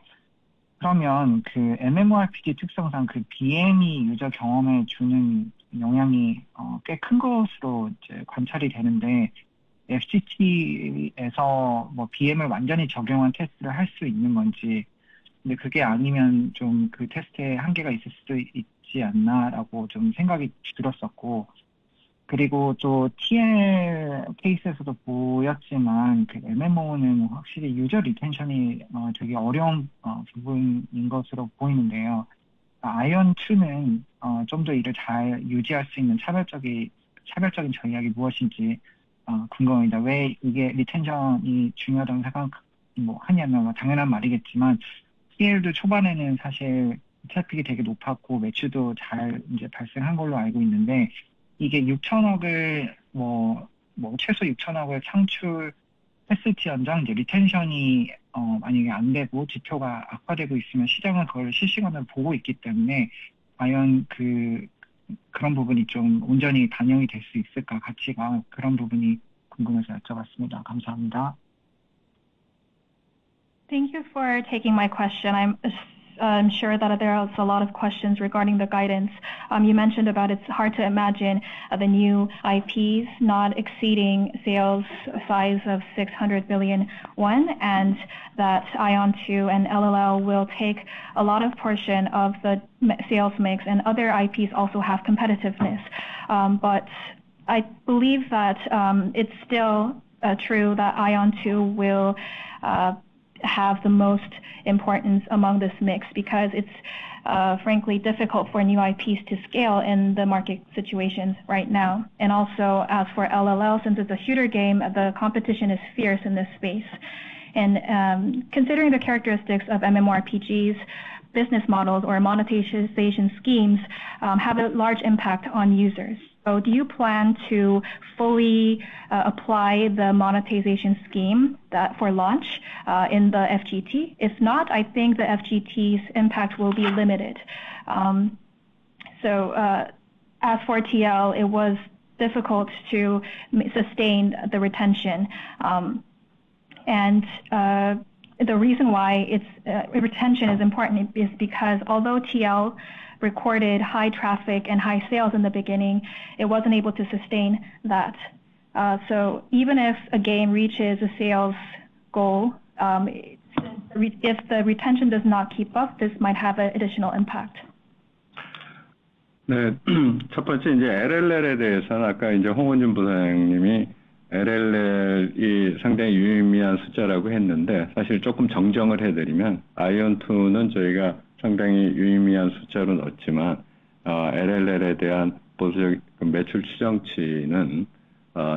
그러면 그 MMORPG 특성상 그 BM이 유저 경험에 주는 영향이 꽤큰 것으로 이제 관찰이 되는데 FT에서 BM을 완전히 적용한 테스트를 할수 있는 건지 근데 그게 아니면 좀그 테스트에 한계가 있을 수도 있지 않나라고 좀 생각이 들었었고 그리고 또 TL 케이스에서도 보였지만 그 MMO는 확실히 유저 리텐션이 되게 어려운 부분인 것으로 보이는데요. Aion 2는 좀더 이를 잘 유지할 수 있는 차별적인 전략이 무엇인지 궁금합니다. 왜 이게 리텐션이 중요하다고 생각하냐면 당연한 말이겠지만 TL도 초반에는 사실 트래픽이 되게 높았고 매출도 잘 이제 발생한 걸로 알고 있는데 이게 KRW 6,000억을 최소 KRW 6,000억을 창출했을지언정 이제 리텐션이 만약에 안 되고 지표가 악화되고 있으면 시장은 그걸 실시간으로 보고 있기 때문에 과연 그런 부분이 좀 온전히 반영이 될수 있을까 가치가 그런 부분이 궁금해서 여쭤봤습니다. 감사합니다. Thank you for taking my question. I'm sure that there are a lot of questions regarding the guidance. You mentioned that it's hard to imagine the new IPs not exceeding sales size of 600 billion won and that Aion 2 and LLL will take a lot of portion of the sales mix and other IPs also have competitiveness. But I believe that it's still true that Aion 2 will have the most importance among this mix because it's frankly difficult for new IPs to scale in the market situation right now. Also, as for LLL, since it's a shooter game, the competition is fierce in this space. Considering the characteristics of MMORPGs, business models or monetization schemes have a large impact on users. So do you plan to fully apply the monetization scheme for launch in the FGT? If not, I think the FGT's impact will be limited. As for TL, it was difficult to sustain the retention. The reason why retention is important is because although TL recorded high traffic and high sales in the beginning, it wasn't able to sustain that. Even if a game reaches a sales goal, if the retention does not keep up, this might have an additional impact. 첫 번째, 이제 LLL에 대해서는 아까 이제 홍은진 부사장님이 LLL이 상당히 유의미한 숫자라고 했는데, 사실 조금 정정을 해드리면 Aion 2는 저희가 상당히 유의미한 숫자로 넣었지만 LLL에 대한 보수적인 매출 추정치는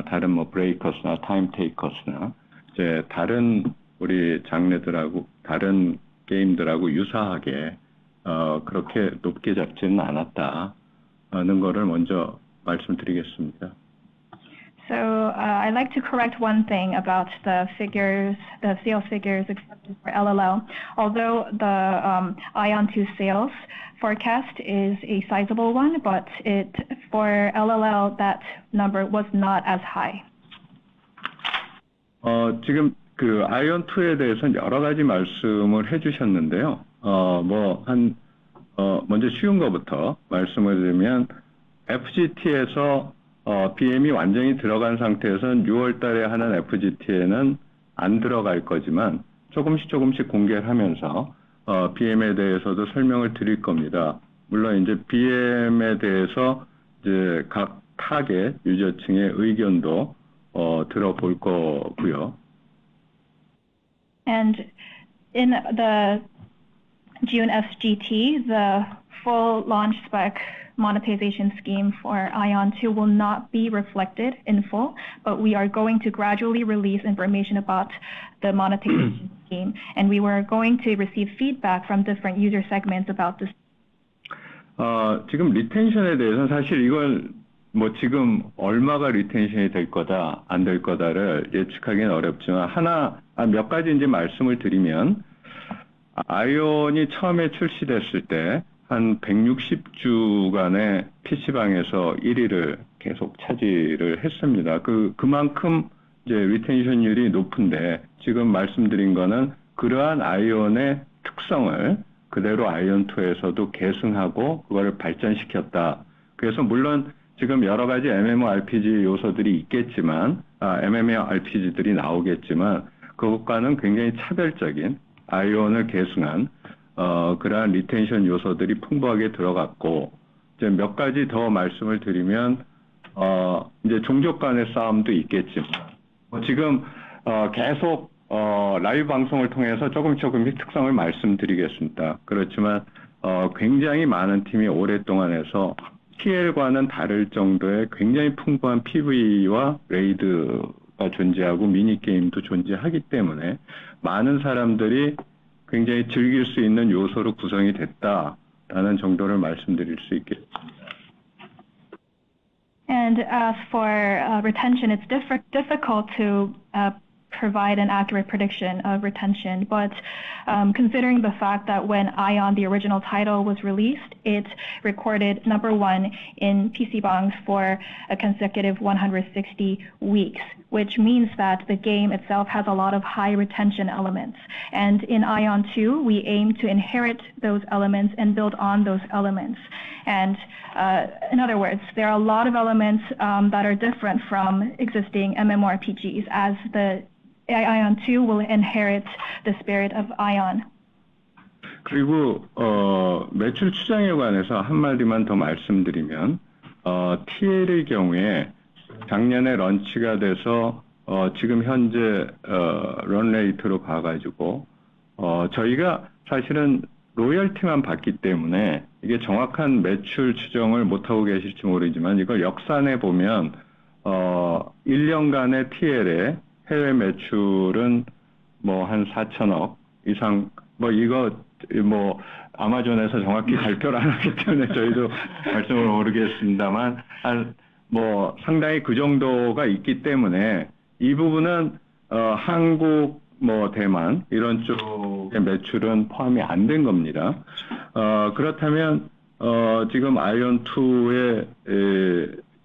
다른 뭐 Breakers나 Time Takers나 이제 다른 우리 장르들하고 다른 게임들하고 유사하게 그렇게 높게 잡지는 않았다는 거를 먼저 말씀드리겠습니다. I'd like to correct one thing about the figures, the sales figures for LLL. Although the Aion 2 sales forecast is a sizable one, for LLL that number was not as high. 지금 그 Aion 2에 대해서는 여러 가지 말씀을 해주셨는데요. 먼저 쉬운 것부터 말씀을 드리면 FGT에서 BM이 완전히 들어간 상태에서는 6월 달에 하는 FGT에는 안 들어갈 거지만 조금씩 조금씩 공개를 하면서 BM에 대해서도 설명을 드릴 겁니다. 물론 이제 BM에 대해서 이제 각 타겟 유저층의 의견도 들어볼 거고요. In the June FGT, the full launch spec monetization scheme for Aion 2 will not be reflected in full, but we are going to gradually release information about the monetization scheme. We were going to receive feedback from different user segments about this. 지금 리텐션에 대해서 사실 이건 뭐 지금 얼마가 리텐션이 될 거다 안될 거다를 예측하기는 어렵지만 하나 몇 가지 이제 말씀을 드리면 Aion이 처음에 출시됐을 때한 160주간의 PC방에서 1위를 계속 차지를 했습니다. 그만큼 이제 리텐션율이 높은데 지금 말씀드린 거는 그러한 Aion의 특성을 그대로 Aion 2에서도 계승하고 그거를 발전시켰다. 그래서 물론 지금 여러 가지 MMORPG 요소들이 있겠지만 MMORPG들이 나오겠지만 그것과는 굉장히 차별적인 Aion을 계승한 그러한 리텐션 요소들이 풍부하게 들어갔고 이제 몇 가지 더 말씀을 드리면 이제 종족 간의 싸움도 있겠지만 지금 계속 라이브 방송을 통해서 조금씩 조금씩 특성을 말씀드리겠습니다. 그렇지만 굉장히 많은 팀이 오랫동안 해서 TL과는 다를 정도의 굉장히 풍부한 PVE와 레이드가 존재하고 미니 게임도 존재하기 때문에 많은 사람들이 굉장히 즐길 수 있는 요소로 구성이 됐다라는 정도를 말씀드릴 수 있겠습니다. As for retention, it's difficult to provide an accurate prediction of retention, but considering the fact that when Aion, the original title, was released, it recorded number one in PC방s for a consecutive 160 weeks, which means that the game itself has a lot of high retention elements. In Aion 2, we aim to inherit those elements and build on those elements. In other words, there are a lot of elements that are different from existing MMORPGs as Aion 2 will inherit the spirit of Aion. 그리고 매출 추정에 관해서 한마디만 더 말씀드리면 TL의 경우에 작년에 런치가 돼서 지금 현재 런레이트로 봐가지고 저희가 사실은 로열티만 받기 때문에 이게 정확한 매출 추정을 못하고 계실지 모르지만 이걸 역산해 보면 1년간의 TL의 해외 매출은 한 KRW 4,000억 이상입니다. 아마존에서 정확히 발표를 안 하기 때문에 저희도 말씀을 모르겠습니다만 상당히 그 정도가 있기 때문에 이 부분은 한국, 대만 이런 쪽의 매출은 포함이 안된 겁니다. 그렇다면 지금 Aion 2의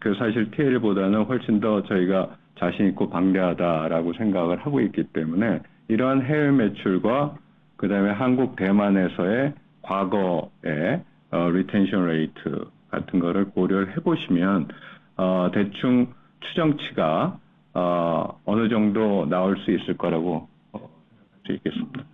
경우 사실 TL보다는 훨씬 더 저희가 자신 있고 방대하다라고 생각을 하고 있기 때문에 이러한 해외 매출과 그다음에 한국, 대만에서의 과거의 리텐션 레이트 같은 거를 고려를 해보시면 대충 추정치가 어느 정도 나올 수 있을 거라고 생각할 수 있겠습니다.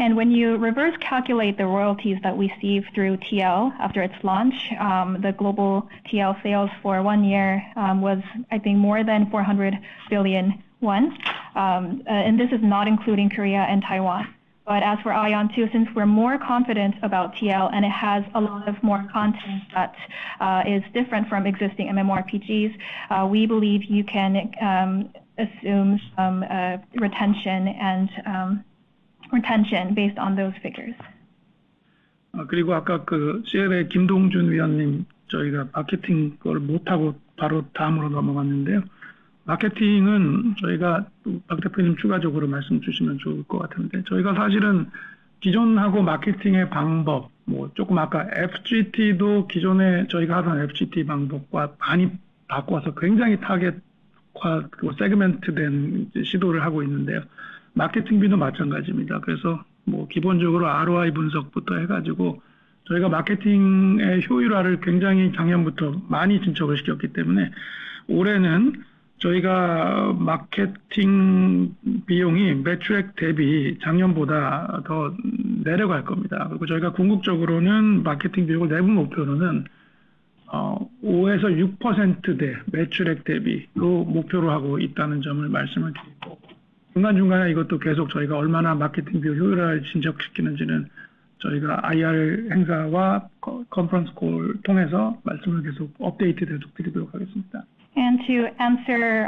When you reverse calculate the royalties that we receive through TL after its launch, the global TL sales for one year was, I think, more than 400 billion won. This is not including Korea and Taiwan. But as for Aion 2, since we're more confident about TL and it has a lot more content that is different from existing MMORPGs, we believe you can assume some retention based on those figures. 그리고 아까 그 CL의 김동준 위원님, 저희가 마케팅 걸 못하고 바로 다음으로 넘어갔는데요. 마케팅은 저희가 박 대표님 추가적으로 말씀주시면 좋을 것 같은데, 저희가 사실은 기존하고 마케팅의 방법 뭐 조금 아까 FGT도 기존에 저희가 하던 FGT 방법과 많이 바꿔서 굉장히 타겟화되고 세그먼트된 시도를 하고 있는데요. 마케팅비도 마찬가지입니다. 그래서 뭐 기본적으로 ROI 분석부터 해가지고 저희가 마케팅의 효율화를 굉장히 작년부터 많이 진척을 시켰기 때문에 올해는 저희가 마케팅 비용이 매출액 대비 작년보다 더 내려갈 겁니다. 그리고 저희가 궁극적으로는 마케팅 비용을 내부 목표로는 5%에서 6%대 매출액 대비로 목표로 하고 있다는 점을 말씀을 드리고, 중간중간에 이것도 계속 저희가 얼마나 마케팅 비용 효율화를 진척시키는지는 저희가 IR 행사와 컨퍼런스 콜을 통해서 말씀을 계속 업데이트 계속 드리도록 하겠습니다. To answer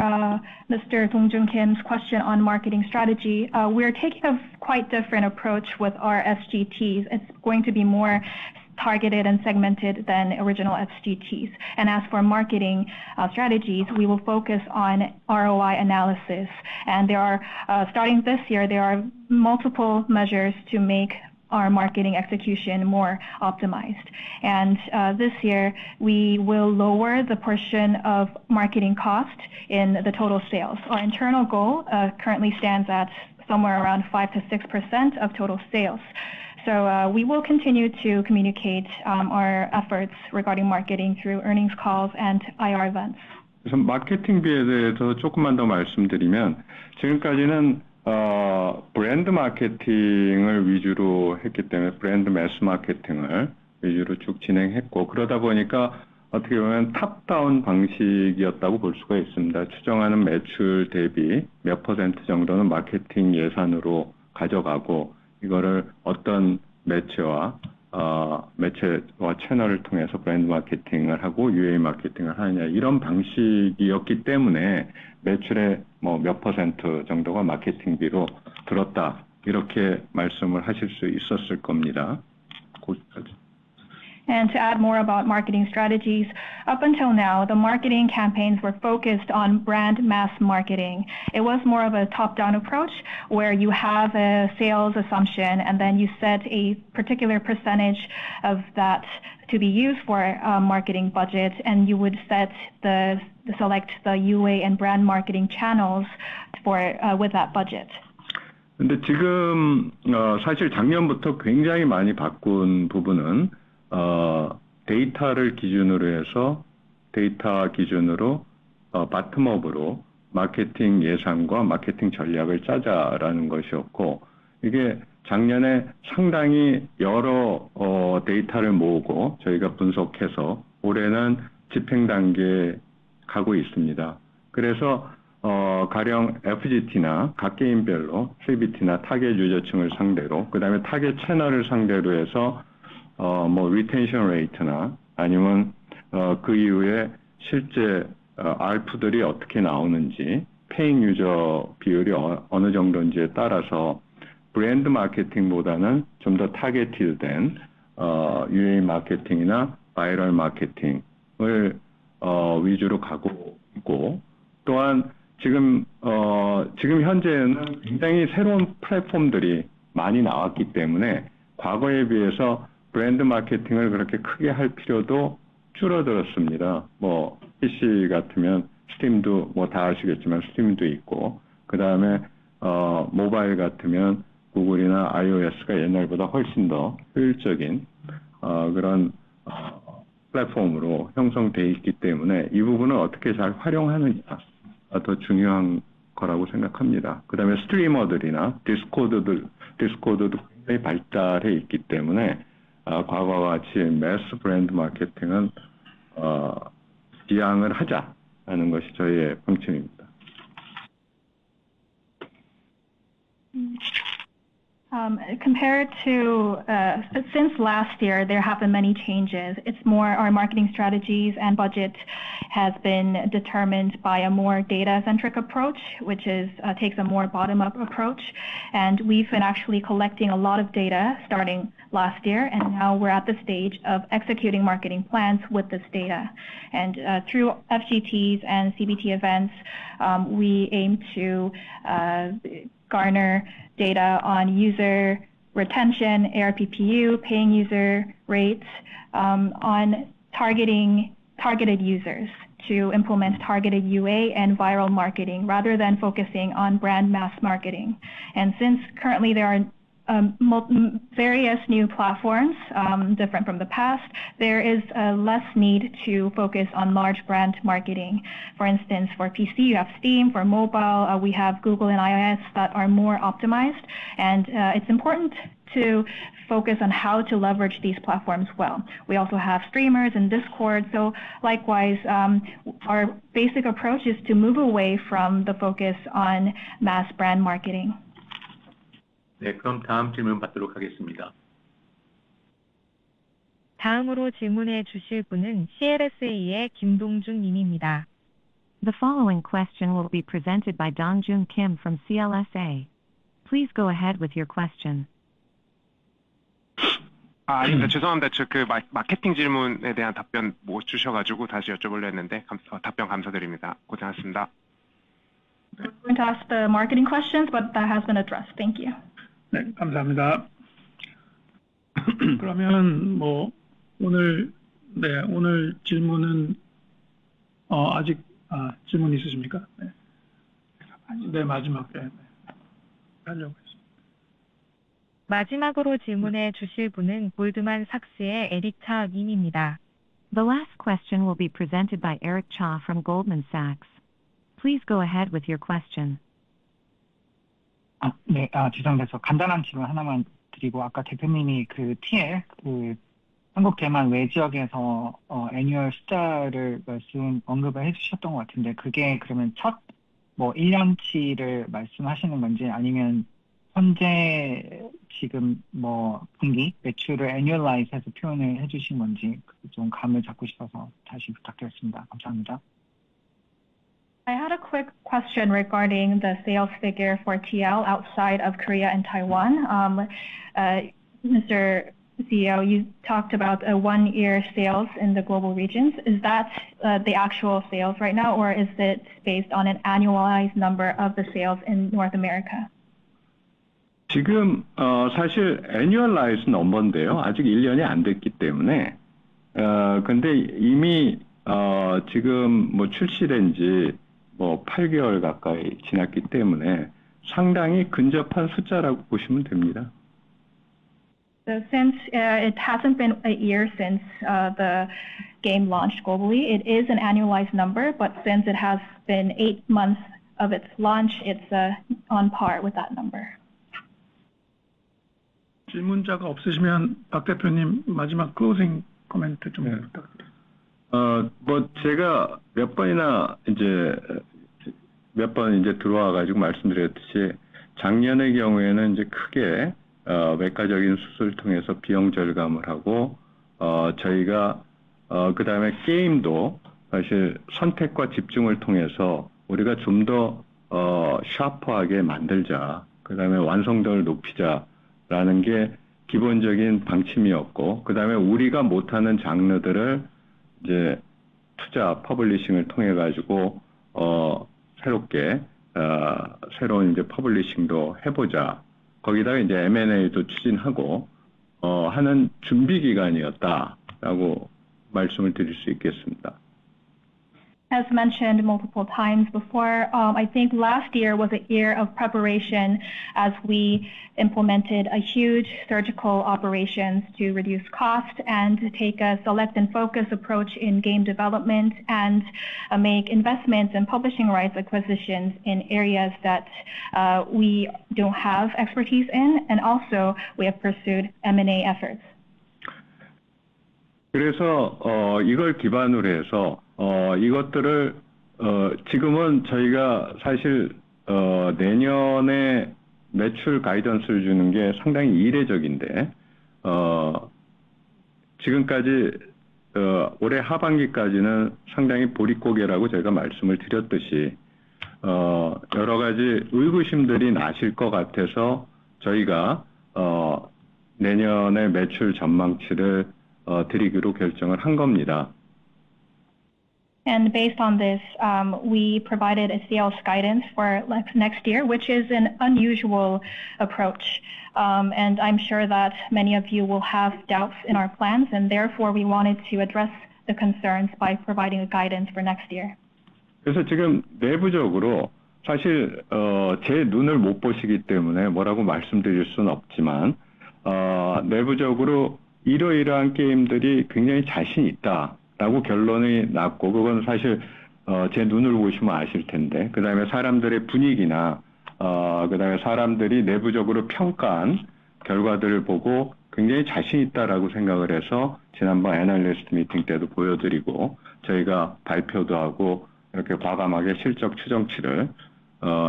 Mr. Dongjun Kim's question on marketing strategy, we're taking a quite different approach with our FGTs. It's going to be more targeted and segmented than original FGTs. As for marketing strategies, we will focus on ROI analysis. Starting this year, there are multiple measures to make our marketing execution more optimized. This year we will lower the portion of marketing cost in the total sales. Our internal goal currently stands at somewhere around 5%-6% of total sales. We will continue to communicate our efforts regarding marketing through earnings calls and IR events. 그래서 마케팅비에 대해서 조금만 더 말씀드리면 지금까지는 브랜드 마케팅을 위주로 했기 때문에 브랜드 매스 마케팅을 위주로 쭉 진행했고, 그러다 보니까 어떻게 보면 탑다운 방식이었다고 볼 수가 있습니다. 추정하는 매출 대비 몇 %정도는 마케팅 예산으로 가져가고 이거를 어떤 매체와 매체와 채널을 통해서 브랜드 마케팅을 하고 UA 마케팅을 하느냐 이런 방식이었기 때문에 매출의 뭐몇 %정도가 마케팅비로 들었다 이렇게 말씀을 하실 수 있었을 겁니다. To add more about marketing strategies, up until now the marketing campaigns were focused on brand mass marketing. It was more of a top-down approach where you have a sales assumption and then you set a particular percentage of that to be used for marketing budget and you would select the UA and brand marketing channels with that budget. 근데 지금 사실 작년부터 굉장히 많이 바꾼 부분은 데이터를 기준으로 해서 데이터 기준으로 바텀업으로 마케팅 예산과 마케팅 전략을 짜자라는 것이었고, 이게 작년에 상당히 여러 데이터를 모으고 저희가 분석해서 올해는 집행 단계에 가고 있습니다. 그래서 가령 FGT나 각 게임별로 CBT나 타겟 유저층을 상대로 그다음에 타겟 채널을 상대로 해서 리텐션 레이트나 아니면 그 이후에 실제 ARPU들이 어떻게 나오는지 페이드 유저 비율이 어느 정도인지에 따라서 브랜드 마케팅보다는 좀더 타겟팅된 UA 마케팅이나 바이럴 마케팅을 위주로 가고 있고, 또한 지금 현재는 굉장히 새로운 플랫폼들이 많이 나왔기 때문에 과거에 비해서 브랜드 마케팅을 그렇게 크게 할 필요도 줄어들었습니다. PC 같으면 스팀도 다 아시겠지만 스팀도 있고, 그다음에 모바일 같으면 구글이나 iOS가 옛날보다 훨씬 더 효율적인 그런 플랫폼으로 형성돼 있기 때문에 이 부분을 어떻게 잘 활용하느냐가 더 중요한 거라고 생각합니다. 그다음에 스트리머들이나 디스코드도 굉장히 발달해 있기 때문에 과거와 같이 매스 브랜드 마케팅은 지양을 하자라는 것이 저희의 방침입니다. Compared to last year, there have been many changes. Our marketing strategies and budget has been determined by a more data-centric approach, which takes a more bottom-up approach. We've been actually collecting a lot of data starting last year and now we're at the stage of executing marketing plans with this data. Through FGTs and CBT events, we aim to garner data on user retention, ARPPU, paying user rates, on targeting targeted users to implement targeted UA and viral marketing rather than focusing on brand mass marketing. Since currently there are various new platforms different from the past, there is less need to focus on large brand marketing. For instance, for PC you have Steam, for mobile we have Google and iOS that are more optimized. It's important to focus on how to leverage these platforms well. We also have streamers and Discord. Our basic approach is to move away from the focus on mass brand marketing. 네, 그럼 다음 질문 받도록 하겠습니다. 다음으로 질문해 주실 분은 CLSA의 김동준 님입니다. The following question will be presented by Dongjun Kim from CLSA. Please go ahead with your question. 아, 죄송합니다. 그 마케팅 질문에 대한 답변 못 주셔서 다시 여쭤보려 했는데 답변 감사드립니다. 고생하셨습니다. We're going to ask the marketing questions, but that has been addressed. Thank you. 네, 감사합니다. 그러면 오늘 질문은 아직 질문 있으십니까? 네, 마지막에 하려고 했습니다. 마지막으로 질문해 주실 분은 골드만삭스의 에릭 차 님입니다. The last question will be presented by Eric Cha from Goldman Sachs. Please go ahead with your question. 아, 네. 죄송합니다. 그래서 간단한 질문 하나만 드리고, 아까 대표님이 그 TL 한국, 대만 외 지역에서 애뉴얼 숫자를 말씀 언급을 해주셨던 것 같은데, 그게 그러면 첫 1년치를 말씀하시는 건지 아니면 현재 지금 분기 매출을 애뉴얼라이즈해서 표현을 해주신 건지 그게 좀 감을 잡고 싶어서 다시 부탁드렸습니다. 감사합니다. I had a quick question regarding the sales figure for TL outside of Korea and Taiwan. Mr. CEO, you talked about a one-year sales in the global regions. Is that the actual sales right now or is it based on an annualized number of the sales in North America? 지금 사실 애뉴얼라이즈 넘버인데요. 아직 1년이 안 됐기 때문에, 근데 이미 지금 출시된 지 8개월 가까이 지났기 때문에 상당히 근접한 숫자라고 보시면 됩니다. Since it hasn't been a year since the game launched globally, it is an annualized number, but since it has been eight months since its launch, it's on par with that number. 질문자가 없으시면 박 대표님 마지막 클로징 코멘트 좀 부탁드립니다. 제가 몇 번이나 들어와서 말씀드렸듯이 작년의 경우에는 크게 외과적인 수술을 통해서 비용 절감을 하고 저희가 그다음에 게임도 사실 선택과 집중을 통해서 우리가 좀더 샤프하게 만들자. 그다음에 완성도를 높이자라는 게 기본적인 방침이었고 그다음에 우리가 못하는 장르들을 투자 퍼블리싱을 통해서 새롭게 새로운 퍼블리싱도 해보자. 거기다가 M&A도 추진하고 하는 준비 기간이었다라고 말씀을 드릴 수 있겠습니다. As mentioned multiple times before, I think last year was a year of preparation as we implemented huge surgical operations to reduce cost and take a selective and focused approach in game development and make investments and publishing rights acquisitions in areas that we don't have expertise in. We also pursued M&A efforts. 그래서 이걸 기반으로 해서 이것들을 지금은 저희가 사실 내년에 매출 가이던스를 주는 게 상당히 이례적인데, 지금까지 올해 하반기까지는 상당히 보릿고개라고 제가 말씀을 드렸듯이 여러 가지 의구심들이 나실 것 같아서 저희가 내년에 매출 전망치를 드리기로 결정을 한 겁니다. Based on this, we provided sales guidance for next year, which is an unusual approach. I'm sure that many of you will have doubts in our plans and therefore we wanted to address the concerns by providing guidance for next year. 그래서 지금 내부적으로 사실 제 눈을 못 보시기 때문에 뭐라고 말씀드릴 수는 없지만, 내부적으로 이러이러한 게임들이 굉장히 자신 있다라고 결론이 났고 그건 사실 제 눈을 보시면 아실 텐데, 그다음에 사람들의 분위기나 그다음에 사람들이 내부적으로 평가한 결과들을 보고 굉장히 자신 있다라고 생각을 해서 지난번 애널리스트 미팅 때도 보여드리고 저희가 발표도 하고 이렇게 과감하게 실적 추정치를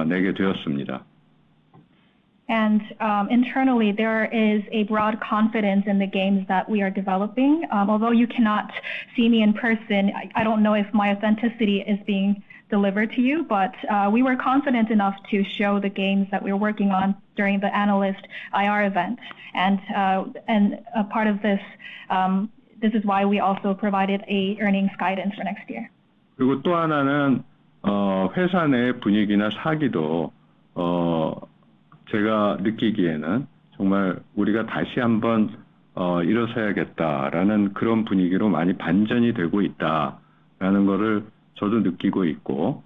내게 되었습니다. Internally there is a broad confidence in the games that we are developing. Although you cannot see me in person, I don't know if my authenticity is being delivered to you, but we were confident enough to show the games that we were working on during the analyst IR event. Part of this is why we also provided an earnings guidance for next year. 그리고 또 하나는 회사 내의 분위기나 사기도 제가 느끼기에는 정말 우리가 다시 한번 일어서야겠다라는 그런 분위기로 많이 반전이 되고 있다라는 것을 저도 느끼고 있고,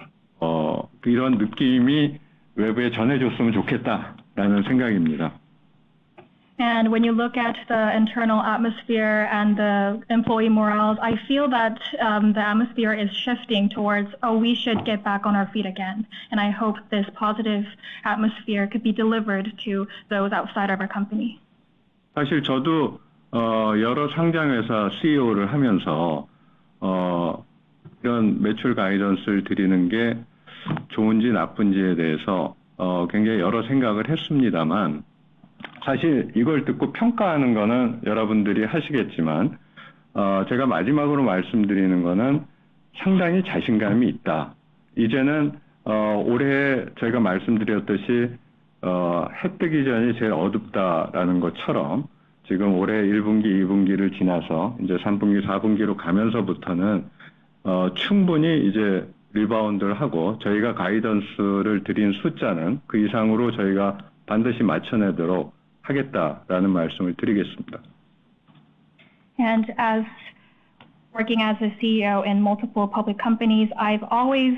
이런 느낌이 외부에 전해졌으면 좋겠다라는 생각입니다. When you look at the internal atmosphere and the employee morale, I feel that the atmosphere is shifting towards we should get back on our feet again. I hope this positive atmosphere could be delivered to those outside of our company. 사실 저도 여러 상장 회사 CEO를 하면서 이런 매출 가이던스를 드리는 게 좋은지 나쁜지에 대해서 굉장히 여러 생각을 했습니다만, 사실 이걸 듣고 평가하는 거는 여러분들이 하시겠지만 제가 마지막으로 말씀드리는 거는 상당히 자신감이 있다는 것입니다. 이제는 올해 저희가 말씀드렸듯이 해 뜨기 전이 제일 어둡다라는 것처럼 지금 올해 1분기, 2분기를 지나서 이제 3분기, 4분기로 가면서부터는 충분히 이제 리바운드를 하고 저희가 가이던스를 드린 숫자는 그 이상으로 저희가 반드시 맞춰내도록 하겠다라는 말씀을 드리겠습니다. As working as a CEO in multiple public companies, I've always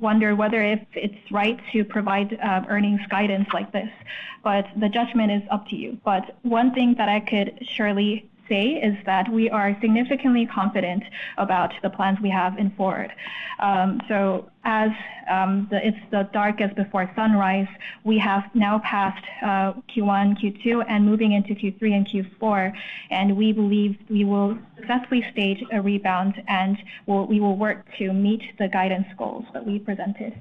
wondered whether it's right to provide earnings guidance like this. The judgment is up to you. One thing that I could surely say is that we are significantly confident about the plans we have in forward. As it's the darkest before sunrise, we have now passed Q1, Q2, and moving into Q3 and Q4. We believe we will successfully stage a rebound and we will work to meet the guidance goals that we presented.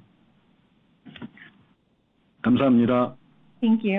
감사합니다. Thank you.